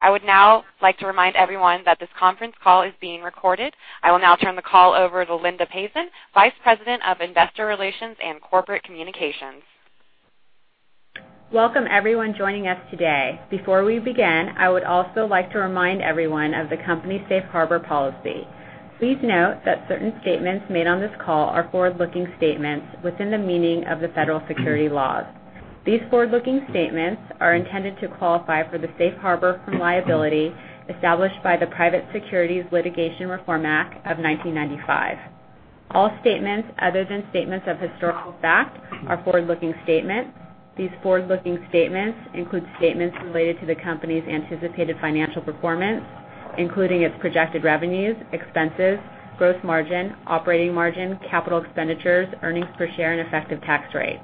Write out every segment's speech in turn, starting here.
I would now like to remind everyone that this conference call is being recorded. I will now turn the call over to Brendon Frey, Vice President of Investor Relations and Corporate Communications. Welcome, everyone joining us today. Before we begin, I would also like to remind everyone of the company's safe harbor policy. Please note that certain statements made on this call are forward-looking statements within the meaning of the federal security laws. These forward-looking statements are intended to qualify for the safe harbor from liability established by the Private Securities Litigation Reform Act of 1995. All statements other than statements of historical fact are forward-looking statements. These forward-looking statements include statements related to the company's anticipated financial performance, including its projected revenues, expenses, gross margin, operating margin, capital expenditures, earnings per share, and effective tax rate.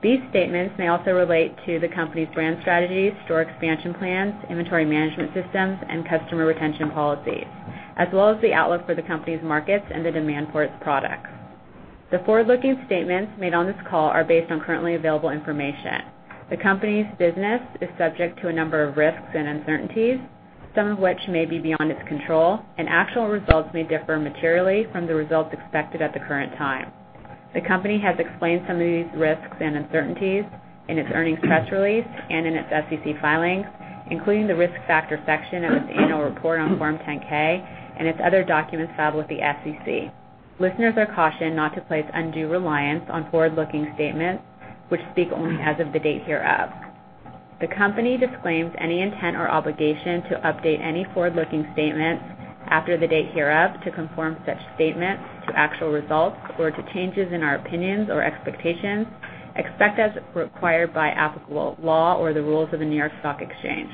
These statements may also relate to the company's brand strategies, store expansion plans, inventory management systems, and customer retention policies, as well as the outlook for the company's markets and the demand for its products. The forward-looking statements made on this call are based on currently available information. The company's business is subject to a number of risks and uncertainties, some of which may be beyond its control, and actual results may differ materially from the results expected at the current time. The company has explained some of these risks and uncertainties in its earnings press release and in its SEC filings, including the Risk Factor section of its annual report on Form 10-K and its other documents filed with the SEC. Listeners are cautioned not to place undue reliance on forward-looking statements, which speak only as of the date hereof. The company disclaims any intent or obligation to update any forward-looking statements after the date hereof to conform such statements to actual results or to changes in our opinions or expectations, except as required by applicable law or the rules of the New York Stock Exchange.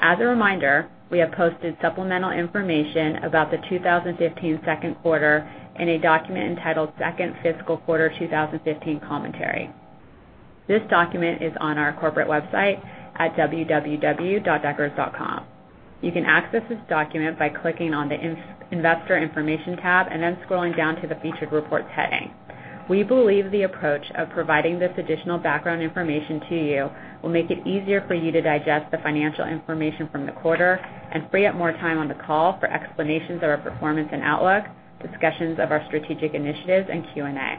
As a reminder, we have posted supplemental information about the 2015 second quarter in a document entitled Second Fiscal Quarter 2015 Commentary. This document is on our corporate website at www.deckers.com. You can access this document by clicking on the Investor Information tab and then scrolling down to the Featured Reports heading. We believe the approach of providing this additional background information to you will make it easier for you to digest the financial information from the quarter and free up more time on the call for explanations of our performance and outlook, discussions of our strategic initiatives, and Q&A.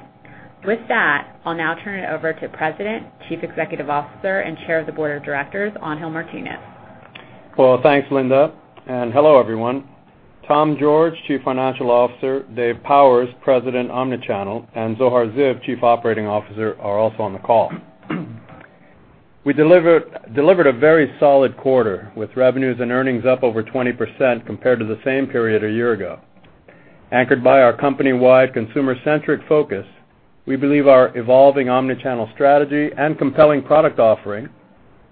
With that, I'll now turn it over to President, Chief Executive Officer, and Chair of the Board of Directors, Angel Martinez. Well, thanks, Brendon, and hello, everyone. Tom George, Chief Financial Officer, Dave Powers, President, Omnichannel, and Zohar Ziv, Chief Operating Officer, are also on the call. We delivered a very solid quarter, with revenues and earnings up over 20% compared to the same period a year ago. Anchored by our company-wide consumer-centric focus, we believe our evolving omnichannel strategy and compelling product offering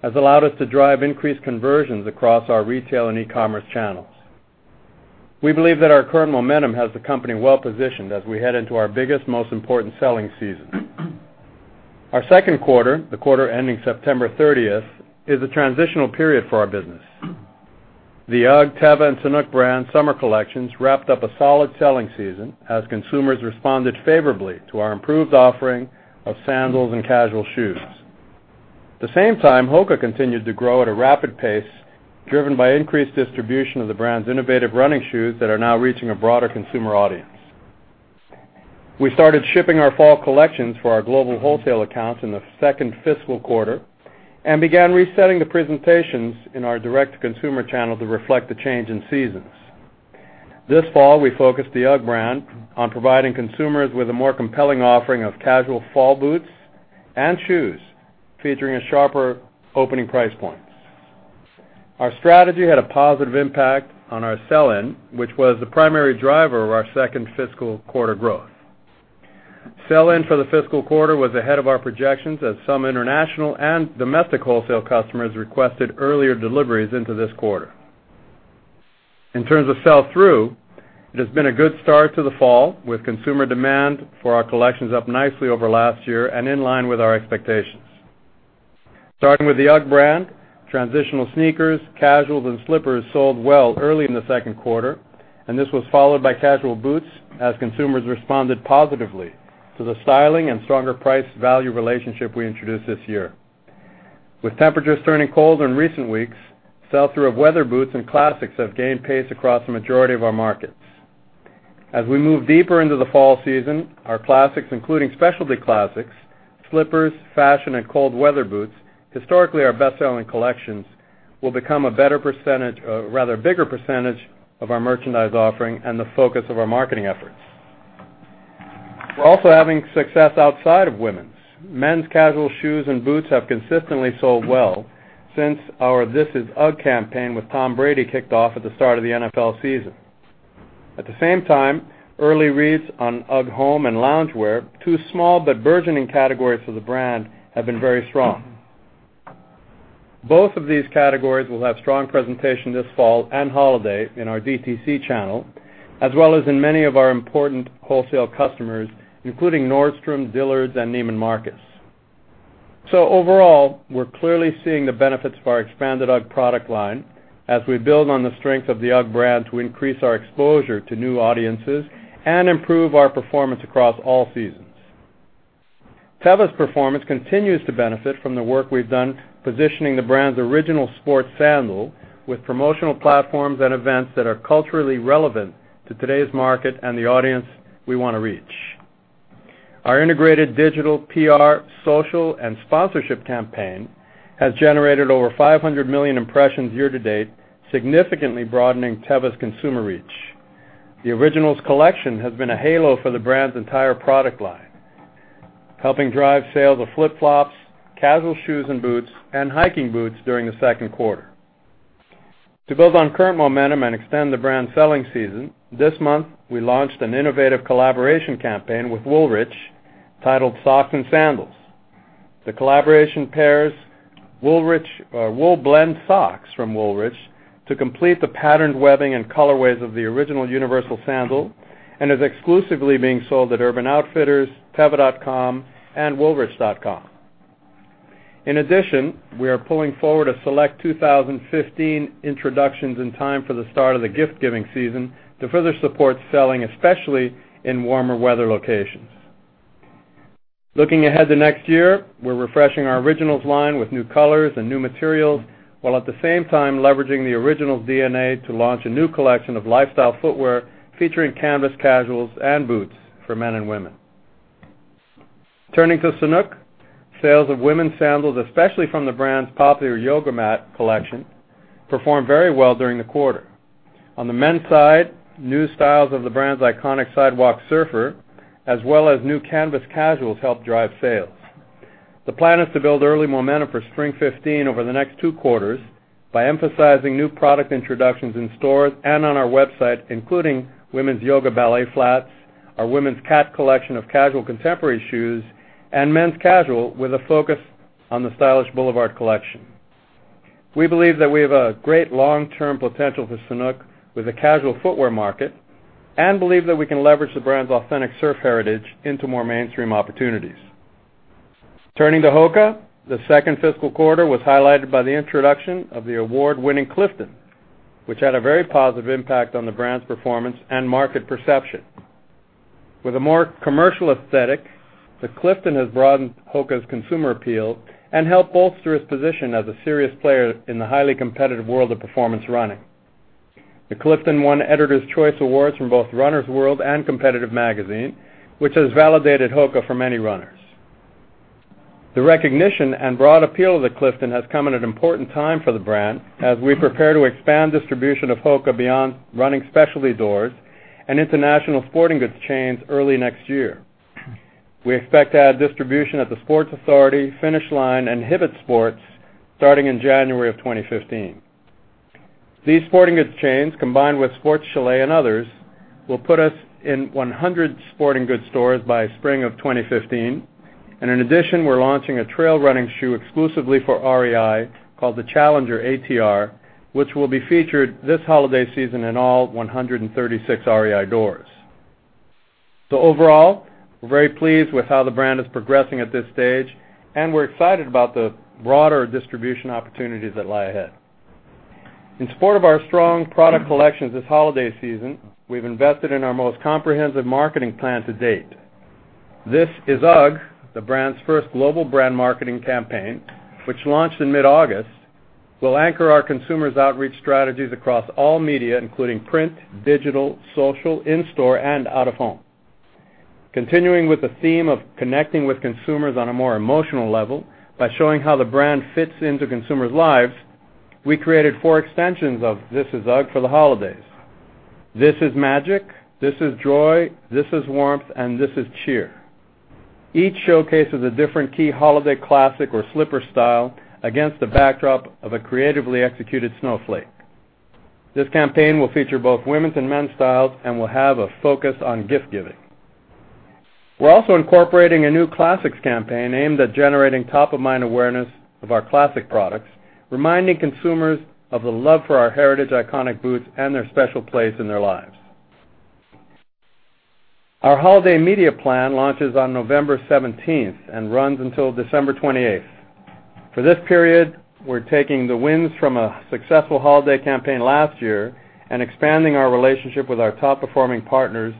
has allowed us to drive increased conversions across our retail and e-commerce channels. We believe that our current momentum has the company well-positioned as we head into our biggest, most important selling season. Our second quarter, the quarter ending September 30th, is a transitional period for our business. The UGG, Teva, and Sanuk brand summer collections wrapped up a solid selling season as consumers responded favorably to our improved offering of sandals and casual shoes. At the same time, HOKA continued to grow at a rapid pace, driven by increased distribution of the brand's innovative running shoes that are now reaching a broader consumer audience. We started shipping our fall collections for our global wholesale accounts in the second fiscal quarter and began resetting the presentations in our direct-to-consumer channel to reflect the change in seasons. This fall, we focused the UGG brand on providing consumers with a more compelling offering of casual fall boots and shoes, featuring sharper opening price points. Our strategy had a positive impact on our sell-in, which was the primary driver of our second fiscal quarter growth. Sell-in for the fiscal quarter was ahead of our projections as some international and domestic wholesale customers requested earlier deliveries into this quarter. In terms of sell-through, it has been a good start to the fall, with consumer demand for our collections up nicely over last year and in line with our expectations. Starting with the UGG brand, transitional sneakers, casuals, and slippers sold well early in the second quarter, and this was followed by casual boots as consumers responded positively to the styling and stronger price-value relationship we introduced this year. With temperatures turning colder in recent weeks, sell-through of weather boots and classics have gained pace across the majority of our markets. As we move deeper into the fall season, our classics, including specialty classics, slippers, fashion, and cold weather boots, historically our best-selling collections, will become a bigger percentage of our merchandise offering and the focus of our marketing efforts. We're also having success outside of women's. Men's casual shoes and boots have consistently sold well since our THIS IS UGG campaign with Tom Brady kicked off at the start of the NFL season. At the same time, early reads on UGG home and loungewear, two small but burgeoning categories for the brand, have been very strong. Both of these categories will have strong presentation this fall and holiday in our DTC channel, as well as in many of our important wholesale customers, including Nordstrom, Dillard's, and Neiman Marcus. Overall, we're clearly seeing the benefits of our expanded UGG product line as we build on the strength of the UGG brand to increase our exposure to new audiences and improve our performance across all seasons. Teva's performance continues to benefit from the work we've done positioning the brand's Original sports sandal with promotional platforms and events that are culturally relevant to today's market and the audience we want to reach. Our integrated digital PR, social, and sponsorship campaign has generated over 500 million impressions year-to-date, significantly broadening Teva's consumer reach. The Originals collection has been a halo for the brand's entire product line, helping drive sales of flip-flops, casual shoes and boots, and hiking boots during the second quarter. To build on current momentum and extend the brand selling season, this month, we launched an innovative collaboration campaign with Woolrich titled Socks and Sandals. The collaboration pairs wool-blend socks from Woolrich to complete the patterned webbing and colorways of the Original universal sandal, and is exclusively being sold at Urban Outfitters, teva.com, and woolrich.com. In addition, we are pulling forward a select 2015 introductions in time for the start of the gift-giving season to further support selling, especially in warmer weather locations. Looking ahead to next year, we're refreshing our Originals line with new colors and new materials, while at the same time leveraging the Originals DNA to launch a new collection of lifestyle footwear featuring canvas casuals and boots for men and women. Turning to Sanuk. Sales of women's sandals, especially from the brand's popular Yoga Mat collection, performed very well during the quarter. On the men's side, new styles of the brand's iconic Sidewalk Surfer, as well as new canvas casuals helped drive sales. The plan is to build early momentum for spring 2015 over the next two quarters by emphasizing new product introductions in stores and on our website, including women's Yoga Ballet Flats, our women's Cat collection of casual contemporary shoes, and men's casual, with a focus on the stylish Boulevard collection. We believe that we have a great long-term potential for Sanuk with the casual footwear market and believe that we can leverage the brand's authentic surf heritage into more mainstream opportunities. Turning to Hoka, the second fiscal quarter was highlighted by the introduction of the award-winning Clifton, which had a very positive impact on the brand's performance and market perception. With a more commercial aesthetic, the Clifton has broadened Hoka's consumer appeal and helped bolster its position as a serious player in the highly competitive world of performance running. The Clifton won Editors' Choice awards from both Runner's World and Competitor Magazine, which has validated HOKA for many runners. The recognition and broad appeal of the Clifton has come at an important time for the brand, as we prepare to expand distribution of HOKA beyond running specialty doors and international sporting goods chains early next year. We expect to add distribution at The Sports Authority, Finish Line, and Hibbett Sports starting in January of 2015. These sporting goods chains, combined with Sport Chalet and others, will put us in 100 sporting goods stores by spring of 2015. In addition, we're launching a trail running shoe exclusively for REI called the Challenger ATR, which will be featured this holiday season in all 136 REI doors. Overall, we're very pleased with how the brand is progressing at this stage, and we're excited about the broader distribution opportunities that lie ahead. In support of our strong product collections this holiday season, we've invested in our most comprehensive marketing plan to date. THIS IS UGG, the brand's first global brand marketing campaign, which launched in mid-August, will anchor our consumers' outreach strategies across all media, including print, digital, social, in-store, and out-of-home. Continuing with the theme of connecting with consumers on a more emotional level by showing how the brand fits into consumers' lives, we created four extensions of THIS IS UGG for the holidays. This is Magic, This is Joy, This is Warmth, and This is Cheer. Each showcases a different key holiday classic or slipper style against the backdrop of a creatively executed snowflake. This campaign will feature both women's and men's styles and will have a focus on gift-giving. We're also incorporating a new classics campaign aimed at generating top-of-mind awareness of our classic products, reminding consumers of the love for our heritage iconic boots and their special place in their lives. Our holiday media plan launches on November 17th and runs until December 28th. For this period, we're taking the wins from a successful holiday campaign last year and expanding our relationship with our top-performing partners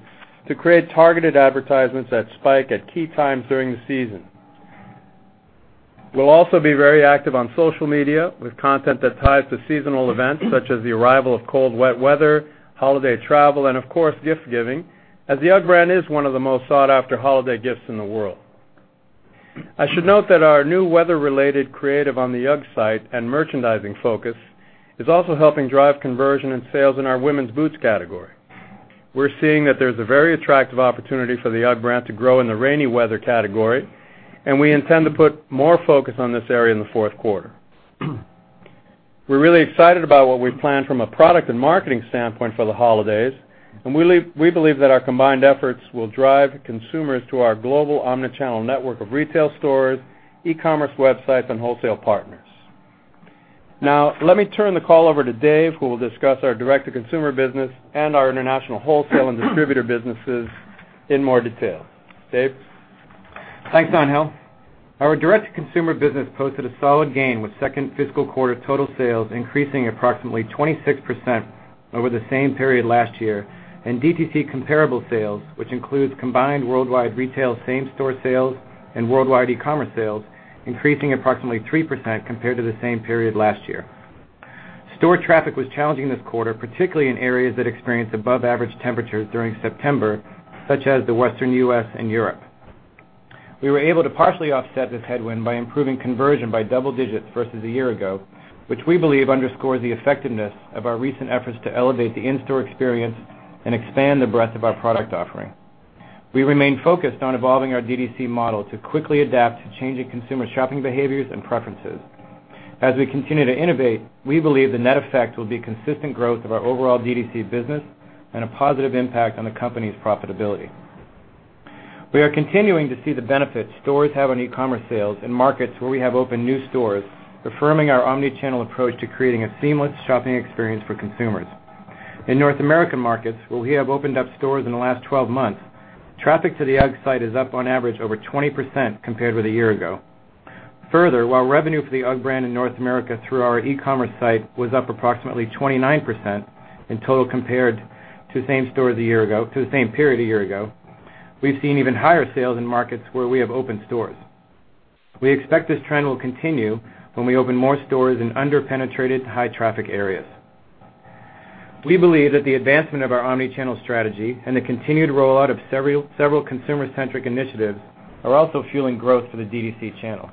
to create targeted advertisements that spike at key times during the season. We'll also be very active on social media with content that ties to seasonal events such as the arrival of cold, wet weather, holiday travel, and of course, gift-giving, as the UGG brand is one of the most sought-after holiday gifts in the world. I should note that our new weather-related creative on the UGG site and merchandising focus is also helping drive conversion and sales in our women's boots category. We're seeing that there's a very attractive opportunity for the UGG brand to grow in the rainy weather category, and we intend to put more focus on this area in the fourth quarter. We're really excited about what we've planned from a product and marketing standpoint for the holidays, and we believe that our combined efforts will drive consumers to our global omnichannel network of retail stores, e-commerce websites, and wholesale partners. Now, let me turn the call over to Dave, who will discuss our direct-to-consumer business and our international wholesale and distributor businesses in more detail. Dave? Thanks, Angel Our direct-to-consumer business posted a solid gain with second fiscal quarter total sales increasing approximately 26% over the same period last year, and DTC comparable sales, which includes combined worldwide retail same-store sales and worldwide e-commerce sales, increasing approximately 3% compared to the same period last year. Store traffic was challenging this quarter, particularly in areas that experienced above-average temperatures during September, such as the Western U.S. and Europe. We were able to partially offset this headwind by improving conversion by double digits versus a year ago, which we believe underscores the effectiveness of our recent efforts to elevate the in-store experience and expand the breadth of our product offering. We remain focused on evolving our DTC model to quickly adapt to changing consumer shopping behaviors and preferences. We continue to innovate, we believe the net effect will be consistent growth of our overall DTC business and a positive impact on the company's profitability. We are continuing to see the benefits stores have on e-commerce sales in markets where we have opened new stores, affirming our omni-channel approach to creating a seamless shopping experience for consumers. In North American markets, where we have opened up stores in the last 12 months, traffic to the UGG site is up on average over 20% compared with a year ago. Further, while revenue for the UGG brand in North America through our e-commerce site was up approximately 29% in total compared to the same period a year ago. We've seen even higher sales in markets where we have opened stores. We expect this trend will continue when we open more stores in under-penetrated high-traffic areas. We believe that the advancement of our omni-channel strategy and the continued rollout of several consumer-centric initiatives are also fueling growth for the DTC channel.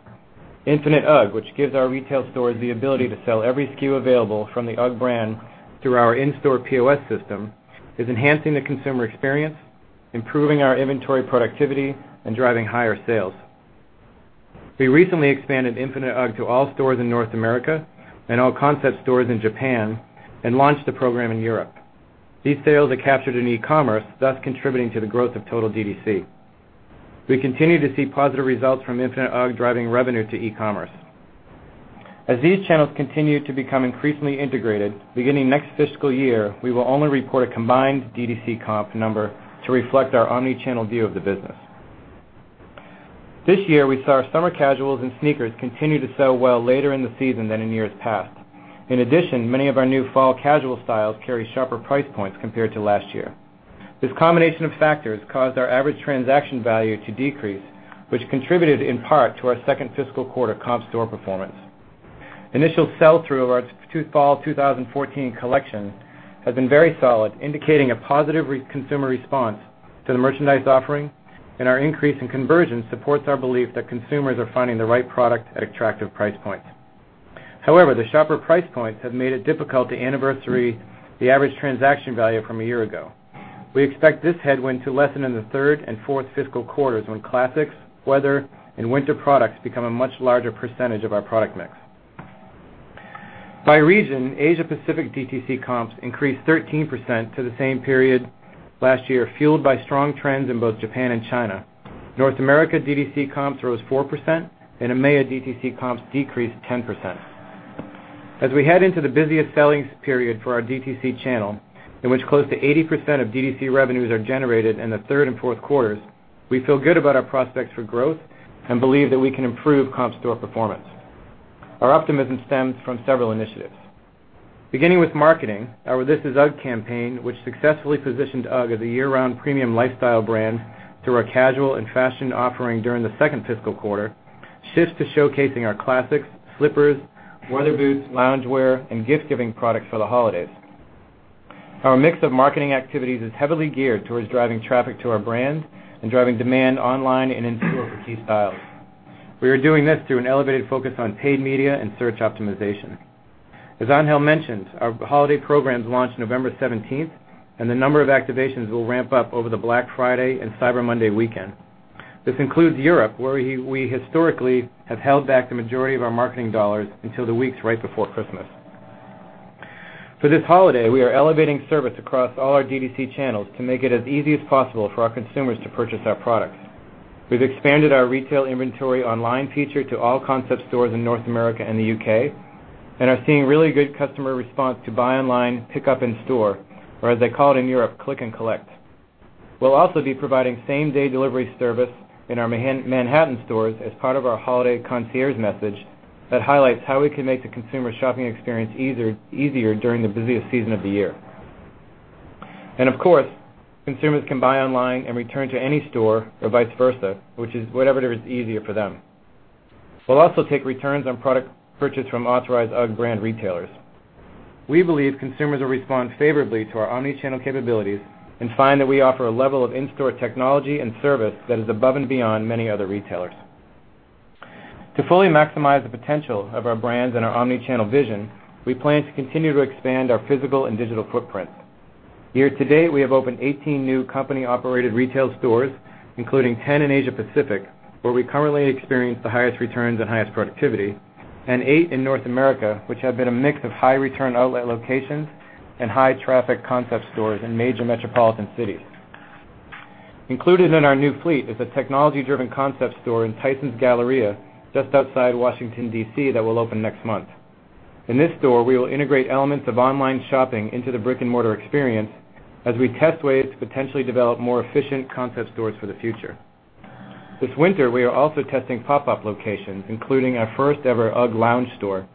Infinite UGG, which gives our retail stores the ability to sell every SKU available from the UGG brand through our in-store POS system, is enhancing the consumer experience, improving our inventory productivity, and driving higher sales. We recently expanded Infinite UGG to all stores in North America and all concept stores in Japan and launched the program in Europe. These sales are captured in e-commerce, thus contributing to the growth of total DTC. We continue to see positive results from Infinite UGG driving revenue to e-commerce. These channels continue to become increasingly integrated, beginning next fiscal year, we will only report a combined DTC comp number to reflect our omni-channel view of the business. This year, we saw our summer casuals and sneakers continue to sell well later in the season than in years past. In addition, many of our new fall casual styles carry sharper price points compared to last year. This combination of factors caused our average transaction value to decrease, which contributed in part to our second fiscal quarter comp store performance. Initial sell-through of our Fall 2014 collection has been very solid, indicating a positive consumer response to the merchandise offering, and our increase in conversion supports our belief that consumers are finding the right product at attractive price points. However, the sharper price points have made it difficult to anniversary the average transaction value from a year ago. We expect this headwind to lessen in the third and fourth fiscal quarters when classics, weather, and winter products become a much larger percentage of our product mix. By region, Asia Pacific DTC comps increased 13% to the same period last year, fueled by strong trends in both Japan and China. North America DTC comps rose 4%. EMEA DTC comps decreased 10%. As we head into the busiest selling period for our DTC channel, in which close to 80% of DTC revenues are generated in the third and fourth quarters, we feel good about our prospects for growth and believe that we can improve comp store performance. Our optimism stems from several initiatives. Beginning with marketing, our THIS IS UGG campaign, which successfully positioned UGG as a year-round premium lifestyle brand through our casual and fashion offering during the second fiscal quarter, shifts to showcasing our classics, slippers, weather boots, loungewear, and gift-giving products for the holidays. Our mix of marketing activities is heavily geared towards driving traffic to our brands and driving demand online and in-store for key styles. We are doing this through an elevated focus on paid media and search optimization. As Angel mentioned, our holiday programs launch November 17th. The number of activations will ramp up over the Black Friday and Cyber Monday weekend. This includes Europe, where we historically have held back the majority of our marketing dollars until the weeks right before Christmas. For this holiday, we are elevating service across all our DTC channels to make it as easy as possible for our consumers to purchase our products. We've expanded our retail inventory online feature to all concept stores in North America and the U.K. and are seeing really good customer response to buy online, pick up in store, or as they call it in Europe, click and collect. We'll also be providing same-day delivery service in our Manhattan stores as part of our holiday concierge message that highlights how we can make the consumer shopping experience easier during the busiest season of the year. Of course, consumers can buy online and return to any store or vice versa, which is whatever is easier for them. We'll also take returns on products purchased from authorized UGG brand retailers. We believe consumers will respond favorably to our omni-channel capabilities and find that we offer a level of in-store technology and service that is above and beyond many other retailers. To fully maximize the potential of our brands and our omni-channel vision, we plan to continue to expand our physical and digital footprint. Year to date, we have opened 18 new company-operated retail stores, including 10 in Asia Pacific, where we currently experience the highest returns and highest productivity, and eight in North America, which have been a mix of high-return outlet locations and high-traffic concept stores in major metropolitan cities. Included in our new fleet is a technology-driven concept store in Tysons Galleria, just outside Washington, D.C., that will open next month. In this store, we will integrate elements of online shopping into the brick-and-mortar experience as we test ways to potentially develop more efficient concept stores for the future. This winter, we are also testing pop-up locations, including our first ever UGG lounge store.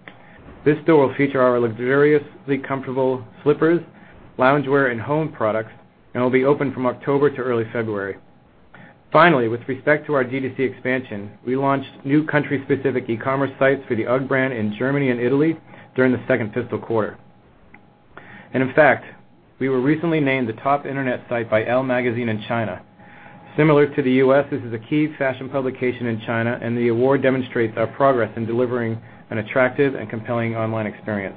This store will feature our luxuriously comfortable slippers, loungewear, and home products, and will be open from October to early February. With respect to our D2C expansion, we launched new country-specific e-commerce sites for the UGG brand in Germany and Italy during the second fiscal quarter. In fact, we were recently named the top internet site by Elle Magazine in China. Similar to the U.S., this is a key fashion publication in China, and the award demonstrates our progress in delivering an attractive and compelling online experience.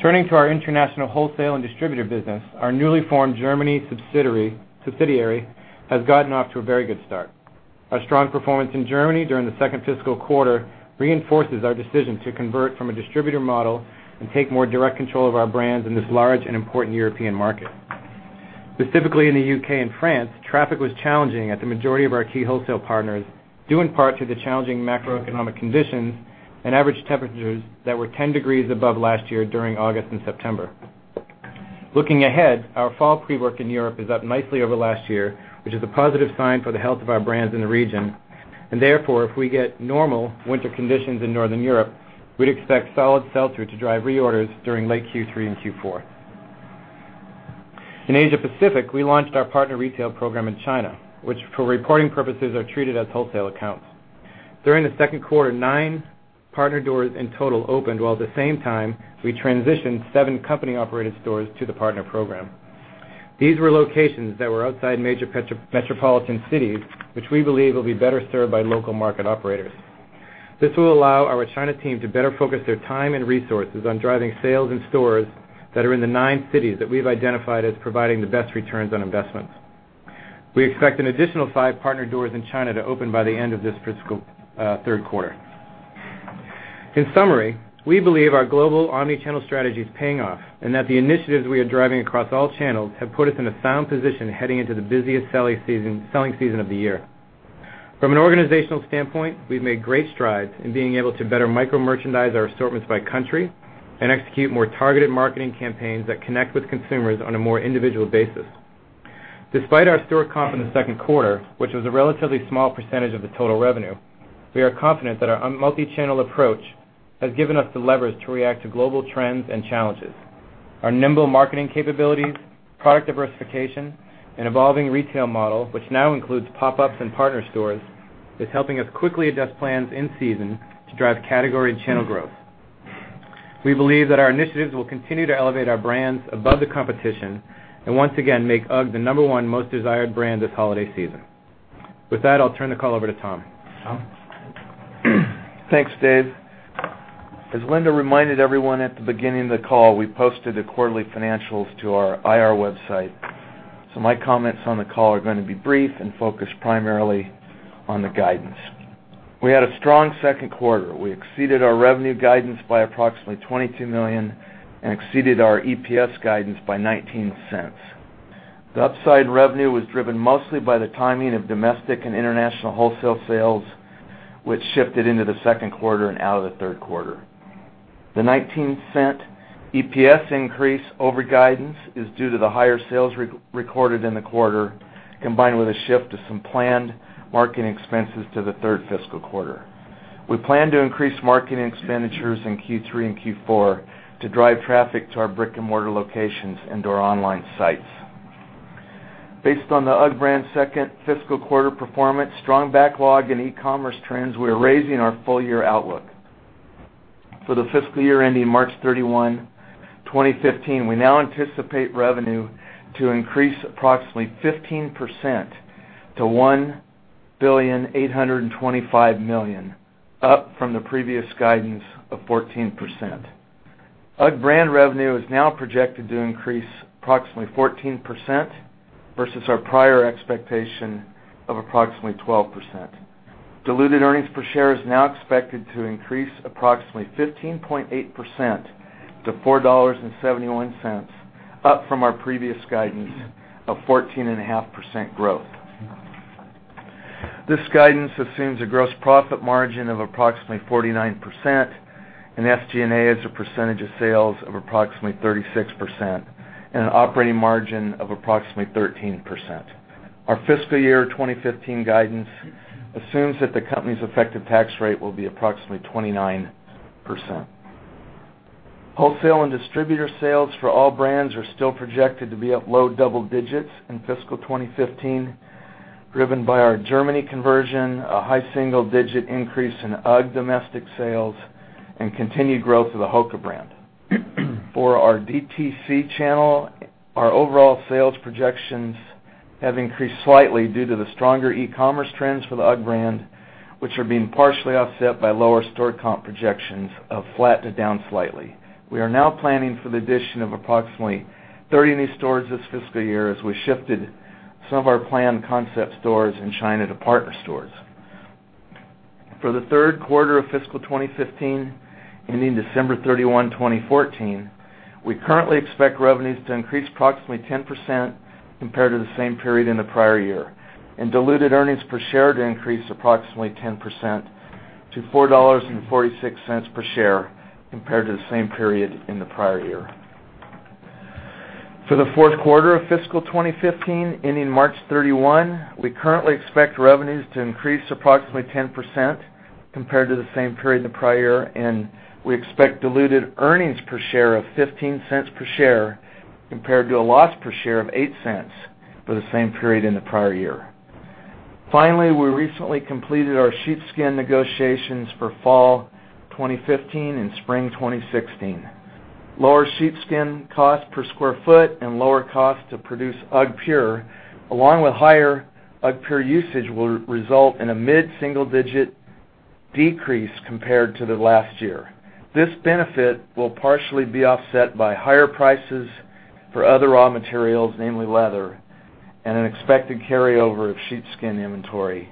Turning to our international wholesale and distributor business, our newly formed Germany subsidiary has gotten off to a very good start. Our strong performance in Germany during the second fiscal quarter reinforces our decision to convert from a distributor model and take more direct control of our brands in this large and important European market. Specifically, in the U.K. and France, traffic was challenging at the majority of our key wholesale partners due in part to the challenging macroeconomic conditions and average temperatures that were 10 degrees above last year during August and September. Looking ahead, our fall pre-work in Europe is up nicely over last year, which is a positive sign for the health of our brands in the region. Therefore, if we get normal winter conditions in Northern Europe, we'd expect solid sell-through to drive reorders during late Q3 and Q4. In Asia Pacific, we launched our partner retail program in China, which for reporting purposes are treated as wholesale accounts. During the second quarter, nine partner doors in total opened, while at the same time, we transitioned seven company-operated stores to the partner program. These were locations that were outside major metropolitan cities, which we believe will be better served by local market operators. This will allow our China team to better focus their time and resources on driving sales in stores that are in the nine cities that we've identified as providing the best returns on investments. We expect an additional five partner doors in China to open by the end of this third quarter. In summary, we believe our global omni-channel strategy is paying off, and that the initiatives we are driving across all channels have put us in a sound position heading into the busiest selling season of the year. From an organizational standpoint, we've made great strides in being able to better micro-merchandise our assortments by country and execute more targeted marketing campaigns that connect with consumers on a more individual basis. Despite our store comp in the second quarter, which was a relatively small percentage of the total revenue, we are confident that our multi-channel approach has given us the leverage to react to global trends and challenges. Our nimble marketing capabilities, product diversification, and evolving retail model, which now includes pop-ups and partner stores, is helping us quickly adjust plans in-season to drive category and channel growth. We believe that our initiatives will continue to elevate our brands above the competition and once again make UGG the number 1 most desired brand this holiday season. With that, I'll turn the call over to Tom. Tom? Thanks, Dave. As Brendon reminded everyone at the beginning of the call, we posted the quarterly financials to our IR website. My comments on the call are going to be brief and focused primarily on the guidance. We had a strong second quarter. We exceeded our revenue guidance by approximately $22 million and exceeded our EPS guidance by $0.19. The upside revenue was driven mostly by the timing of domestic and international wholesale sales, which shifted into the second quarter and out of the third quarter. The $0.19 EPS increase over guidance is due to the higher sales recorded in the quarter, combined with a shift of some planned marketing expenses to the third fiscal quarter. We plan to increase marketing expenditures in Q3 and Q4 to drive traffic to our brick-and-mortar locations and to our online sites. Based on the UGG brand's second fiscal quarter performance, strong backlog, and e-commerce trends, we are raising our full-year outlook. For the fiscal year ending March 31, 2015, we now anticipate revenue to increase approximately 15% to $1.825 billion, up from the previous guidance of 14%. UGG brand revenue is now projected to increase approximately 14% versus our prior expectation of approximately 12%. Diluted earnings per share is now expected to increase approximately 15.8% to $4.71, up from our previous guidance of 14.5% growth. This guidance assumes a gross profit margin of approximately 49% and SG&A as a percentage of sales of approximately 36% and an operating margin of approximately 13%. Our fiscal year 2015 guidance assumes that the company's effective tax rate will be approximately 29%. Wholesale and distributor sales for all brands are still projected to be up low double digits in fiscal 2015, driven by our Germany conversion, a high single-digit increase in UGG domestic sales, and continued growth of the HOKA brand. For our DTC channel, our overall sales projections have increased slightly due to the stronger e-commerce trends for the UGG brand, which are being partially offset by lower store comp projections of flat to down slightly. We are now planning for the addition of approximately 30 new stores this fiscal year as we shifted some of our planned concept stores in China to partner stores. For the third quarter of fiscal 2015, ending December 31, 2014. We currently expect revenues to increase approximately 10% compared to the same period in the prior year, and diluted earnings per share to increase approximately 10% to $4.46 per share compared to the same period in the prior year. For the fourth quarter of fiscal 2015, ending March 31, we currently expect revenues to increase approximately 10% compared to the same period in the prior year, and we expect diluted earnings per share of $0.15 per share compared to a loss per share of $0.08 for the same period in the prior year. Finally, we recently completed our sheepskin negotiations for fall 2015 and spring 2016. Lower sheepskin cost per square foot and lower cost to produce UGGpure, along with higher UGGpure usage, will result in a mid-single-digit decrease compared to the last year. This benefit will partially be offset by higher prices for other raw materials, namely leather, and an expected carryover of sheepskin inventory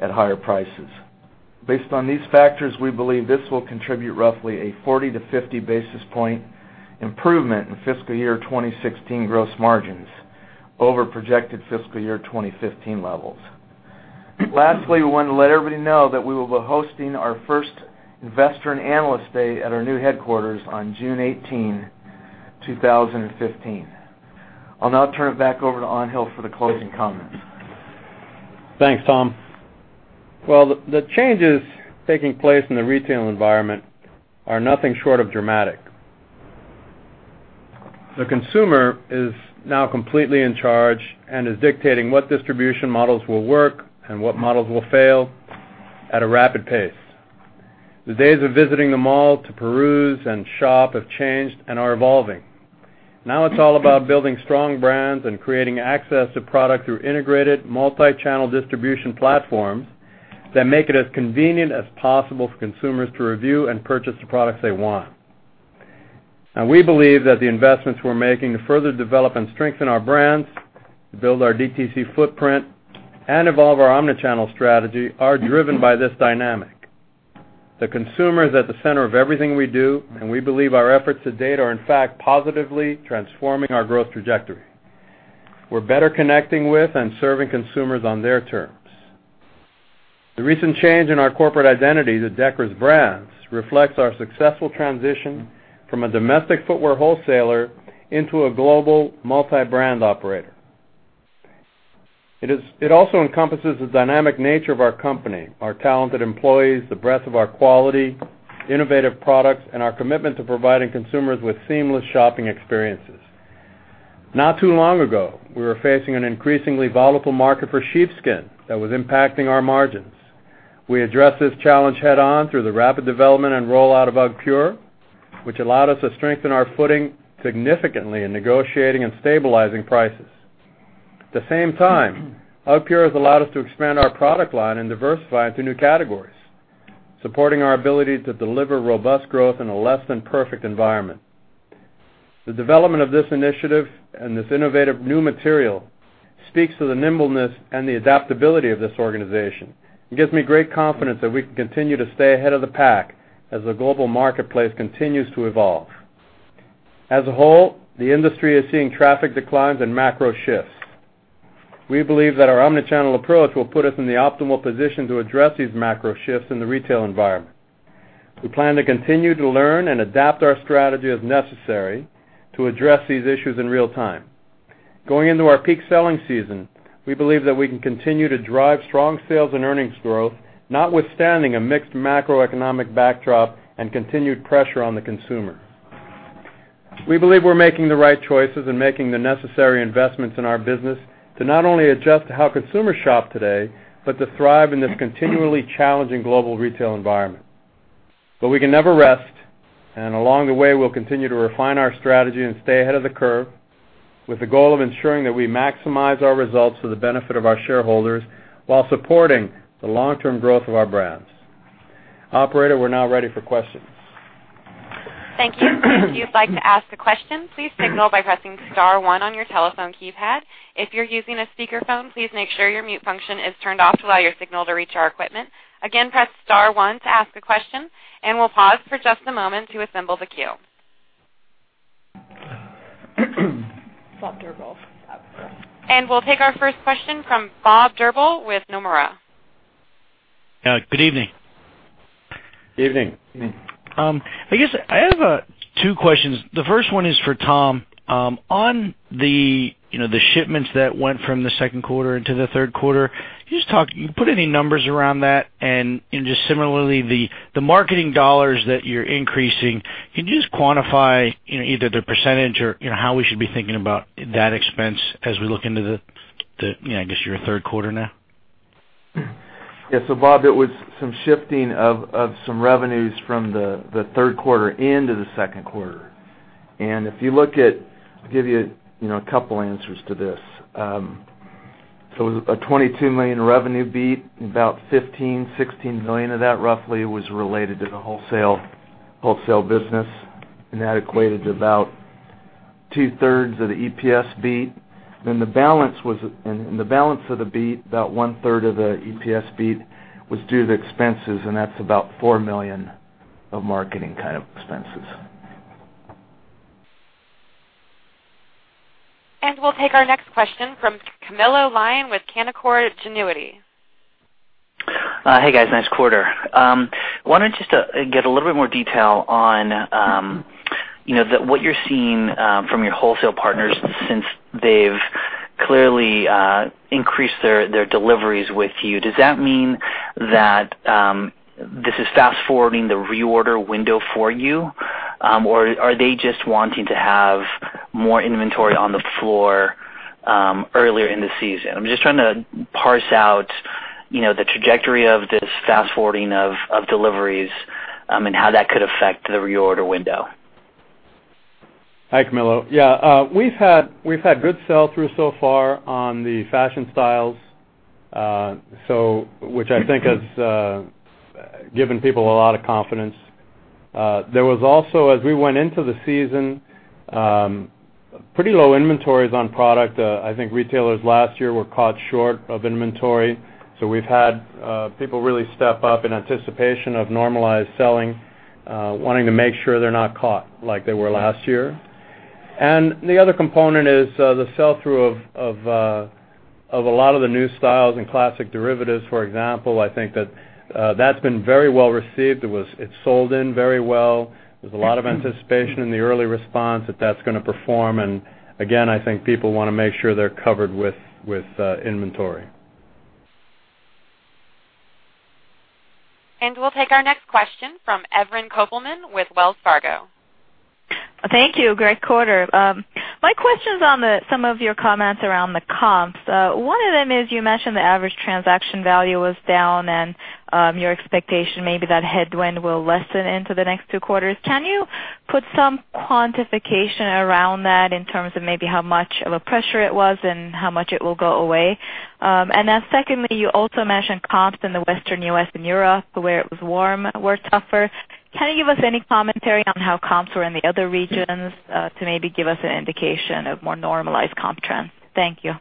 at higher prices. Based on these factors, we believe this will contribute roughly a 40- to 50-basis-point improvement in fiscal year 2016 gross margins over projected fiscal year 2015 levels. Lastly, we want to let everybody know that we will be hosting our first investor and analyst day at our new headquarters on June 18, 2015. I'll now turn it back over to Angel for the closing comments. Thanks, Tom. Well, the changes taking place in the retail environment are nothing short of dramatic. The consumer is now completely in charge and is dictating what distribution models will work and what models will fail at a rapid pace. The days of visiting the mall to peruse and shop have changed and are evolving. Now it's all about building strong brands and creating access to product through integrated multi-channel distribution platforms that make it as convenient as possible for consumers to review and purchase the products they want. Now, we believe that the investments we're making to further develop and strengthen our brands, to build our DTC footprint, and evolve our omni-channel strategy are driven by this dynamic. The consumer is at the center of everything we do, and we believe our efforts to date are in fact positively transforming our growth trajectory. We're better connecting with and serving consumers on their terms. The recent change in our corporate identity to Deckers Brands reflects our successful transition from a domestic footwear wholesaler into a global multi-brand operator. It also encompasses the dynamic nature of our company, our talented employees, the breadth of our quality, innovative products, and our commitment to providing consumers with seamless shopping experiences. Not too long ago, we were facing an increasingly volatile market for sheepskin that was impacting our margins. We addressed this challenge head-on through the rapid development and rollout of UGGpure, which allowed us to strengthen our footing significantly in negotiating and stabilizing prices. At the same time, UGGpure has allowed us to expand our product line and diversify into new categories, supporting our ability to deliver robust growth in a less than perfect environment. The development of this initiative and this innovative new material speaks to the nimbleness and the adaptability of this organization. It gives me great confidence that we can continue to stay ahead of the pack as the global marketplace continues to evolve. As a whole, the industry is seeing traffic declines and macro shifts. We believe that our omnichannel approach will put us in the optimal position to address these macro shifts in the retail environment. We plan to continue to learn and adapt our strategy as necessary to address these issues in real time. Going into our peak selling season, we believe that we can continue to drive strong sales and earnings growth, notwithstanding a mixed macroeconomic backdrop and continued pressure on the consumer. We believe we're making the right choices and making the necessary investments in our business to not only adjust to how consumers shop today, but to thrive in this continually challenging global retail environment. We can never rest, and along the way, we'll continue to refine our strategy and stay ahead of the curve with the goal of ensuring that we maximize our results for the benefit of our shareholders while supporting the long-term growth of our brands. Operator, we're now ready for questions. Thank you. If you'd like to ask a question, please signal by pressing *1 on your telephone keypad. If you're using a speakerphone, please make sure your mute function is turned off to allow your signal to reach our equipment. Again, press *1 to ask a question, and we'll pause for just a moment to assemble the queue. We'll take our first question from Bob Drbul with Nomura. Good evening. Evening. Evening. I guess I have two questions. The first one is for Tom. On the shipments that went from the second quarter into the third quarter, can you put any numbers around that? Just similarly, the marketing dollars that you're increasing, can you just quantify either the percentage or how we should be thinking about that expense as we look into, I guess, your third quarter now? Yeah. Bob, it was some shifting of some revenues from the third quarter into the second quarter. If you look at I'll give you a couple answers to this. It was a $22 million revenue beat. About $15 million-$16 million of that roughly was related to the wholesale business. That equated to about two-thirds of the EPS beat. The balance of the beat, about one-third of the EPS beat, was due to the expenses, and that's about $4 million of marketing kind of expenses. We'll take our next question from Camilo Lyon with Canaccord Genuity. Hey, guys. Nice quarter. I wanted just to get a little bit more detail on what you're seeing from your wholesale partners since they've clearly increased their deliveries with you. Does that mean that this is fast-forwarding the reorder window for you? Are they just wanting to have more inventory on the floor earlier in the season? I'm just trying to parse out the trajectory of this fast-forwarding of deliveries and how that could affect the reorder window. Hi, Camilo. We've had good sell-through so far on the fashion styles, which I think has given people a lot of confidence. There was also, as we went into the season, pretty low inventories on product. I think retailers last year were caught short of inventory. We've had people really step up in anticipation of normalized selling, wanting to make sure they're not caught like they were last year. The other component is the sell-through of a lot of the new styles and classic derivatives, for example. I think that's been very well received. It sold in very well. There's a lot of anticipation in the early response that that's going to perform. Again, I think people want to make sure they're covered with inventory. We'll take our next question from Evren Kopelman with Wells Fargo. Thank you. Great quarter. My question's on some of your comments around the comps. One of them is you mentioned the average transaction value was down and your expectation may be that headwind will lessen into the next two quarters. Can you put some quantification around that in terms of maybe how much of a pressure it was and how much it will go away? Secondly, you also mentioned comps in the Western U.S. and Europe, where it was warm, were tougher. Can you give us any commentary on how comps were in the other regions to maybe give us an indication of more normalized comp trends? Thank you.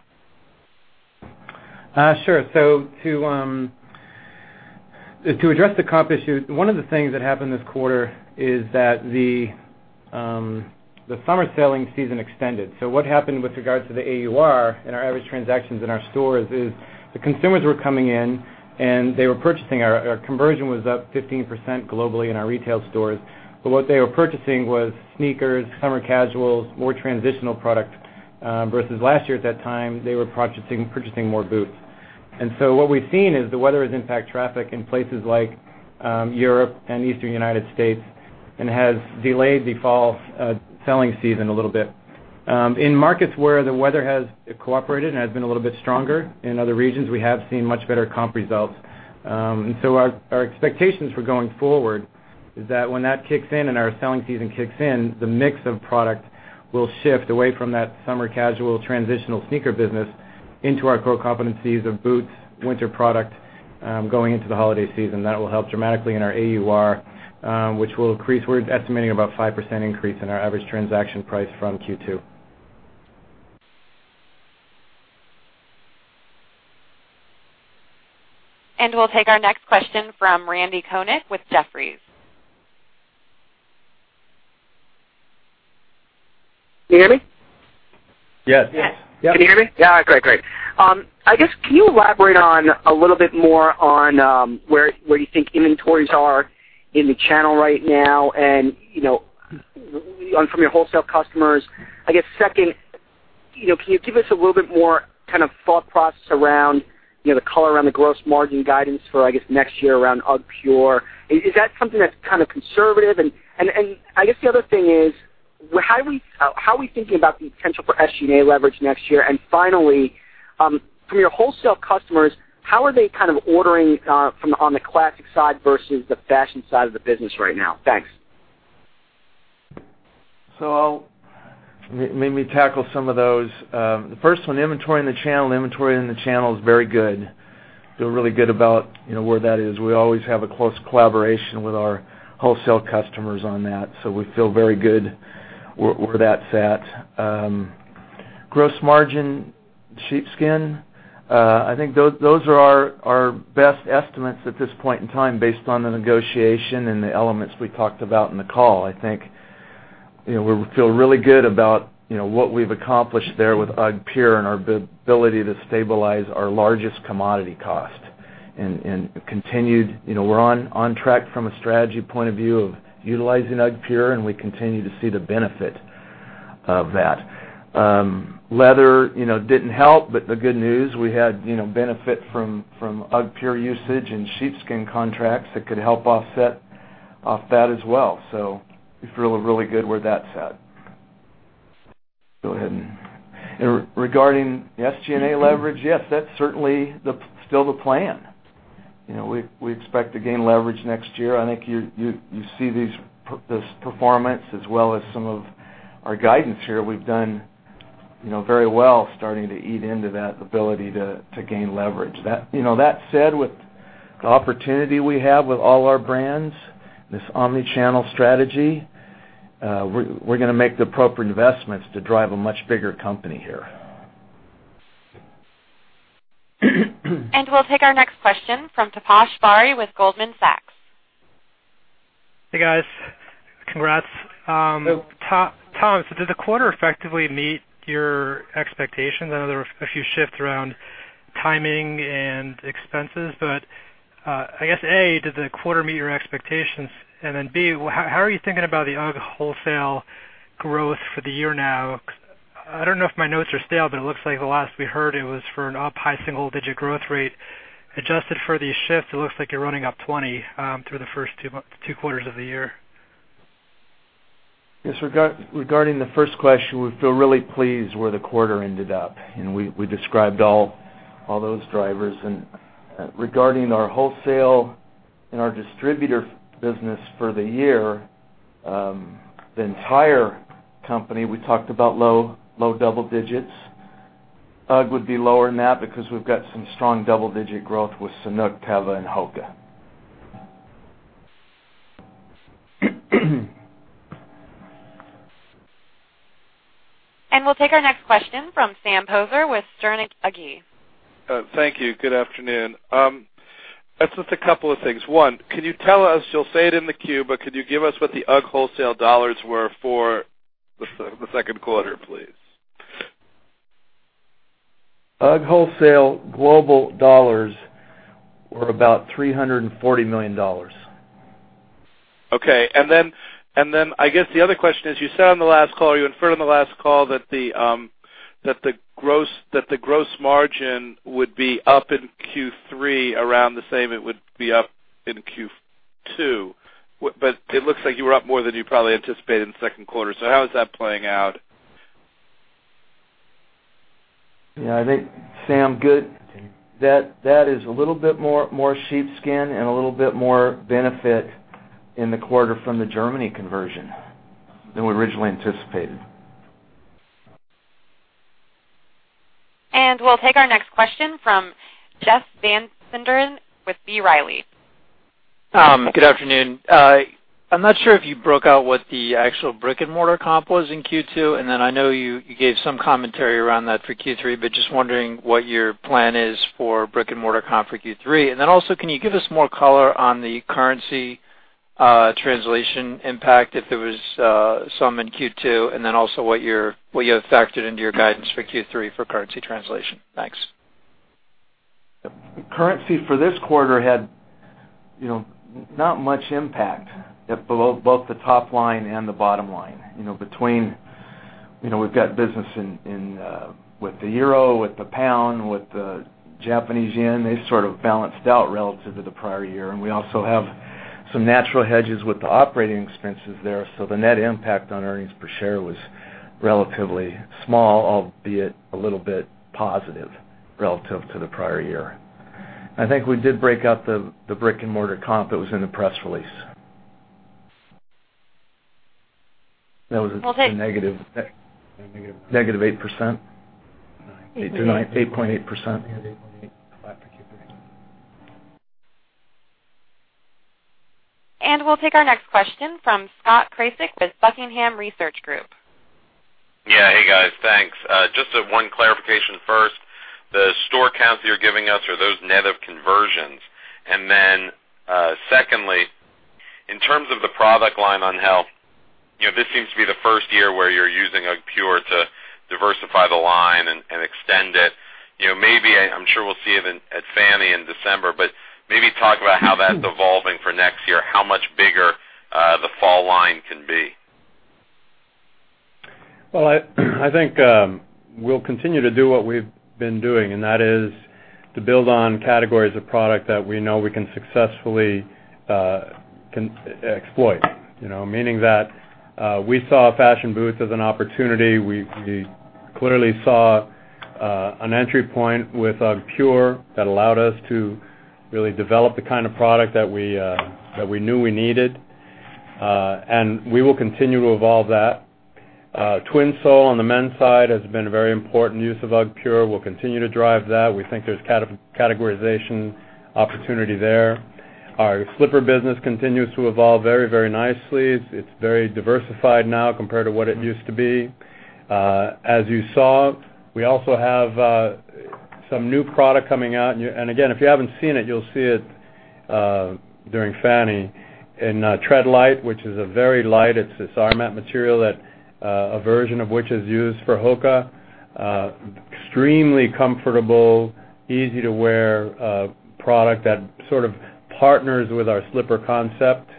Sure. To address the comp issue, one of the things that happened this quarter is that the summer selling season extended. What happened with regards to the AUR and our average transactions in our stores is the consumers were coming in and they were purchasing. Our conversion was up 15% globally in our retail stores, but what they were purchasing was sneakers, summer casuals, more transitional product, versus last year at that time, they were purchasing more boots. What we've seen is the weather has impacted traffic in places like Europe and Eastern U.S. and has delayed the fall selling season a little bit. In markets where the weather has cooperated and has been a little bit stronger, in other regions, we have seen much better comp results. Our expectations for going forward is that when that kicks in and our selling season kicks in, the mix of product will shift away from that summer casual transitional sneaker business into our core competencies of boots, winter product, going into the holiday season. That will help dramatically in our AUR, which will increase. We're estimating about a 5% increase in our average transaction price from Q2. We'll take our next question from Randal Konik with Jefferies. Can you hear me? Yes. Yes. Can you hear me? Great. I guess, can you elaborate a little bit more on where you think inventories are in the channel right now and from your wholesale customers? I guess second, can you give us a little bit more kind of thought process around the color around the gross margin guidance for, I guess, next year around UGGpure? Is that something that's kind of conservative? I guess the other thing is, how are we thinking about the potential for SG&A leverage next year? Finally, from your wholesale customers, how are they kind of ordering on the classic side versus the fashion side of the business right now? Thanks. Let me tackle some of those. The first one, inventory in the channel. Inventory in the channel is very good. Feel really good about where that is. We always have a close collaboration with our wholesale customers on that. We feel very good where that's at. Gross margin sheepskin, I think those are our best estimates at this point in time based on the negotiation and the elements we talked about in the call. I think we feel really good about what we've accomplished there with UGGpure and our ability to stabilize our largest commodity cost. We're on track from a strategy point of view of utilizing UGGpure. We continue to see the benefit of that. Leather didn't help. The good news, we had benefit from UGGpure usage and sheepskin contracts that could help offset that as well. We feel really good where that's at. Regarding the SG&A leverage, yes, that's certainly still the plan. We expect to gain leverage next year. I think you see this performance as well as some of our guidance here. We've done very well starting to eat into that ability to gain leverage. That said, with the opportunity we have with all our brands and this omni-channel strategy, we're going to make the proper investments to drive a much bigger company here. We'll take our next question from Taposh Bari with Goldman Sachs. Hey, guys. Congrats. Thank you. Tom, did the quarter effectively meet your expectations? I know there were a few shifts around timing and expenses, but I guess, A, did the quarter meet your expectations? B, how are you thinking about the UGG wholesale growth for the year now? I don't know if my notes are stale, but it looks like the last we heard it was for an up high single-digit growth rate. Adjusted for these shifts, it looks like you're running up 20 through the first two quarters of the year. Yes. Regarding the first question, we feel really pleased where the quarter ended up, and we described all those drivers. Regarding our wholesale and our distributor business for the year, the entire company, we talked about low double digits. UGG would be lower than that because we've got some strong double-digit growth with Sanuk, Teva and HOKA. We'll take our next question from Sam Poser with Sterne Agee. Thank you. Good afternoon. It's just a couple of things. One, can you tell us, you'll say it in the queue, but could you give us what the UGG wholesale dollars were for the second quarter, please? UGG wholesale global dollars were about $340 million. Okay. I guess the other question is, you said on the last call or you inferred on the last call that the gross margin would be up in Q3 around the same it would be up in Q2. It looks like you were up more than you probably anticipated in the second quarter. How is that playing out? Yeah, I think, Sam, good. That is a little bit more sheepskin and a little bit more benefit in the quarter from the Germany conversion than we originally anticipated. We'll take our next question from Jeff Van Sinderen with B. Riley. Good afternoon. I'm not sure if you broke out what the actual brick-and-mortar comp was in Q2, and then I know you gave some commentary around that for Q3, but just wondering what your plan is for brick-and-mortar comp for Q3. Can you give us more color on the currency translation impact, if there was some in Q2, and then also what you have factored into your guidance for Q3 for currency translation? Thanks. Currency for this quarter had not much impact at both the top line and the bottom line. We've got business with the euro, with the pound, with the Japanese yen. They sort of balanced out relative to the prior year. We also have some natural hedges with the operating expenses there. The net impact on earnings per share was relatively small, albeit a little bit positive relative to the prior year. I think we did break out the brick-and-mortar comp that was in the press release. That was a negative 8%? 8.8%? We'll take our next question from Scott Krasik with Buckingham Research Group. Yeah. Hey, guys. Thanks. Just one clarification first. The store counts that you're giving us, are those net of conversions? Secondly, in terms of the product line on HOKA, this seems to be the first year where you're using UGGpure to diversify the line and extend it. I'm sure we'll see it at FFANY in December, maybe talk about how that's evolving for next year. How much bigger the fall line can be. Well, I think we'll continue to do what we've been doing, that is to build on categories of product that we know we can successfully exploit. Meaning that we saw fashion boots as an opportunity. We clearly saw an entry point with UGGpure that allowed us to really develop the kind of product that we knew we needed. We will continue to evolve that. Twinsole on the men's side has been a very important use of UGGpure. We'll continue to drive that. We think there's categorization opportunity there. Our slipper business continues to evolve very nicely. It's very diversified now compared to what it used to be. As you saw, we also have some new product coming out. Again, if you haven't seen it, you'll see it during FFANY in Treadlite, which is this RMAT material that a version of which is used for HOKA. Extremely comfortable, easy-to-wear product that sort of partners with our slipper concept,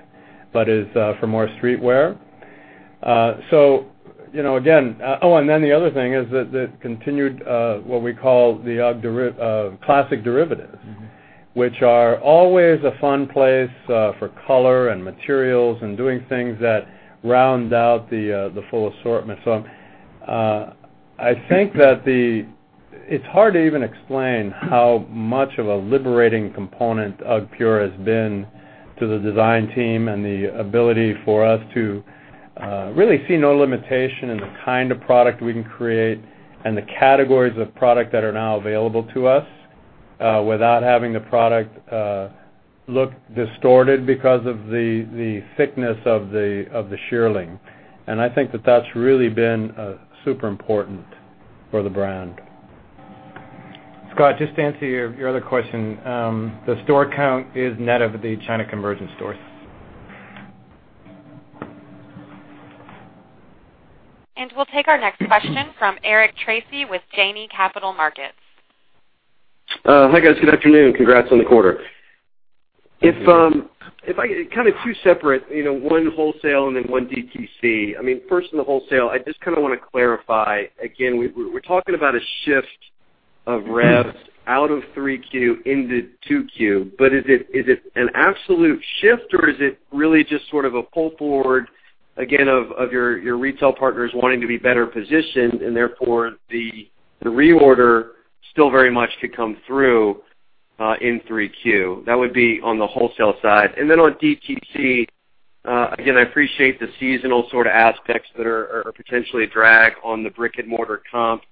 is for more street wear. Oh, the other thing is the continued what we call the UGG classic derivatives. Always a fun place for color and materials and doing things that round out the full assortment. I think that the It's hard to even explain how much of a liberating component UGGpure has been to the design team and the ability for us to really see no limitation in the kind of product we can create and the categories of product that are now available to us without having the product look distorted because of the thickness of the shearling. I think that that's really been super important for the brand. Scott, just to answer your other question, the store count is net of the China conversion stores. We'll take our next question from Eric Tracy with Janney Montgomery Scott. Hi, guys. Good afternoon. Congrats on the quarter. Thank you. Kind of two separate, one wholesale and then one DTC. First, on the wholesale, I just want to clarify again, we're talking about a shift of revs out of 3Q into 2Q. Is it an absolute shift or is it really just sort of a pull forward, again, of your retail partners wanting to be better positioned and therefore the reorder still very much could come through, in 3Q? That would be on the wholesale side. On DTC, again, I appreciate the seasonal sort of aspects that are potentially a drag on the brick-and-mortar comp.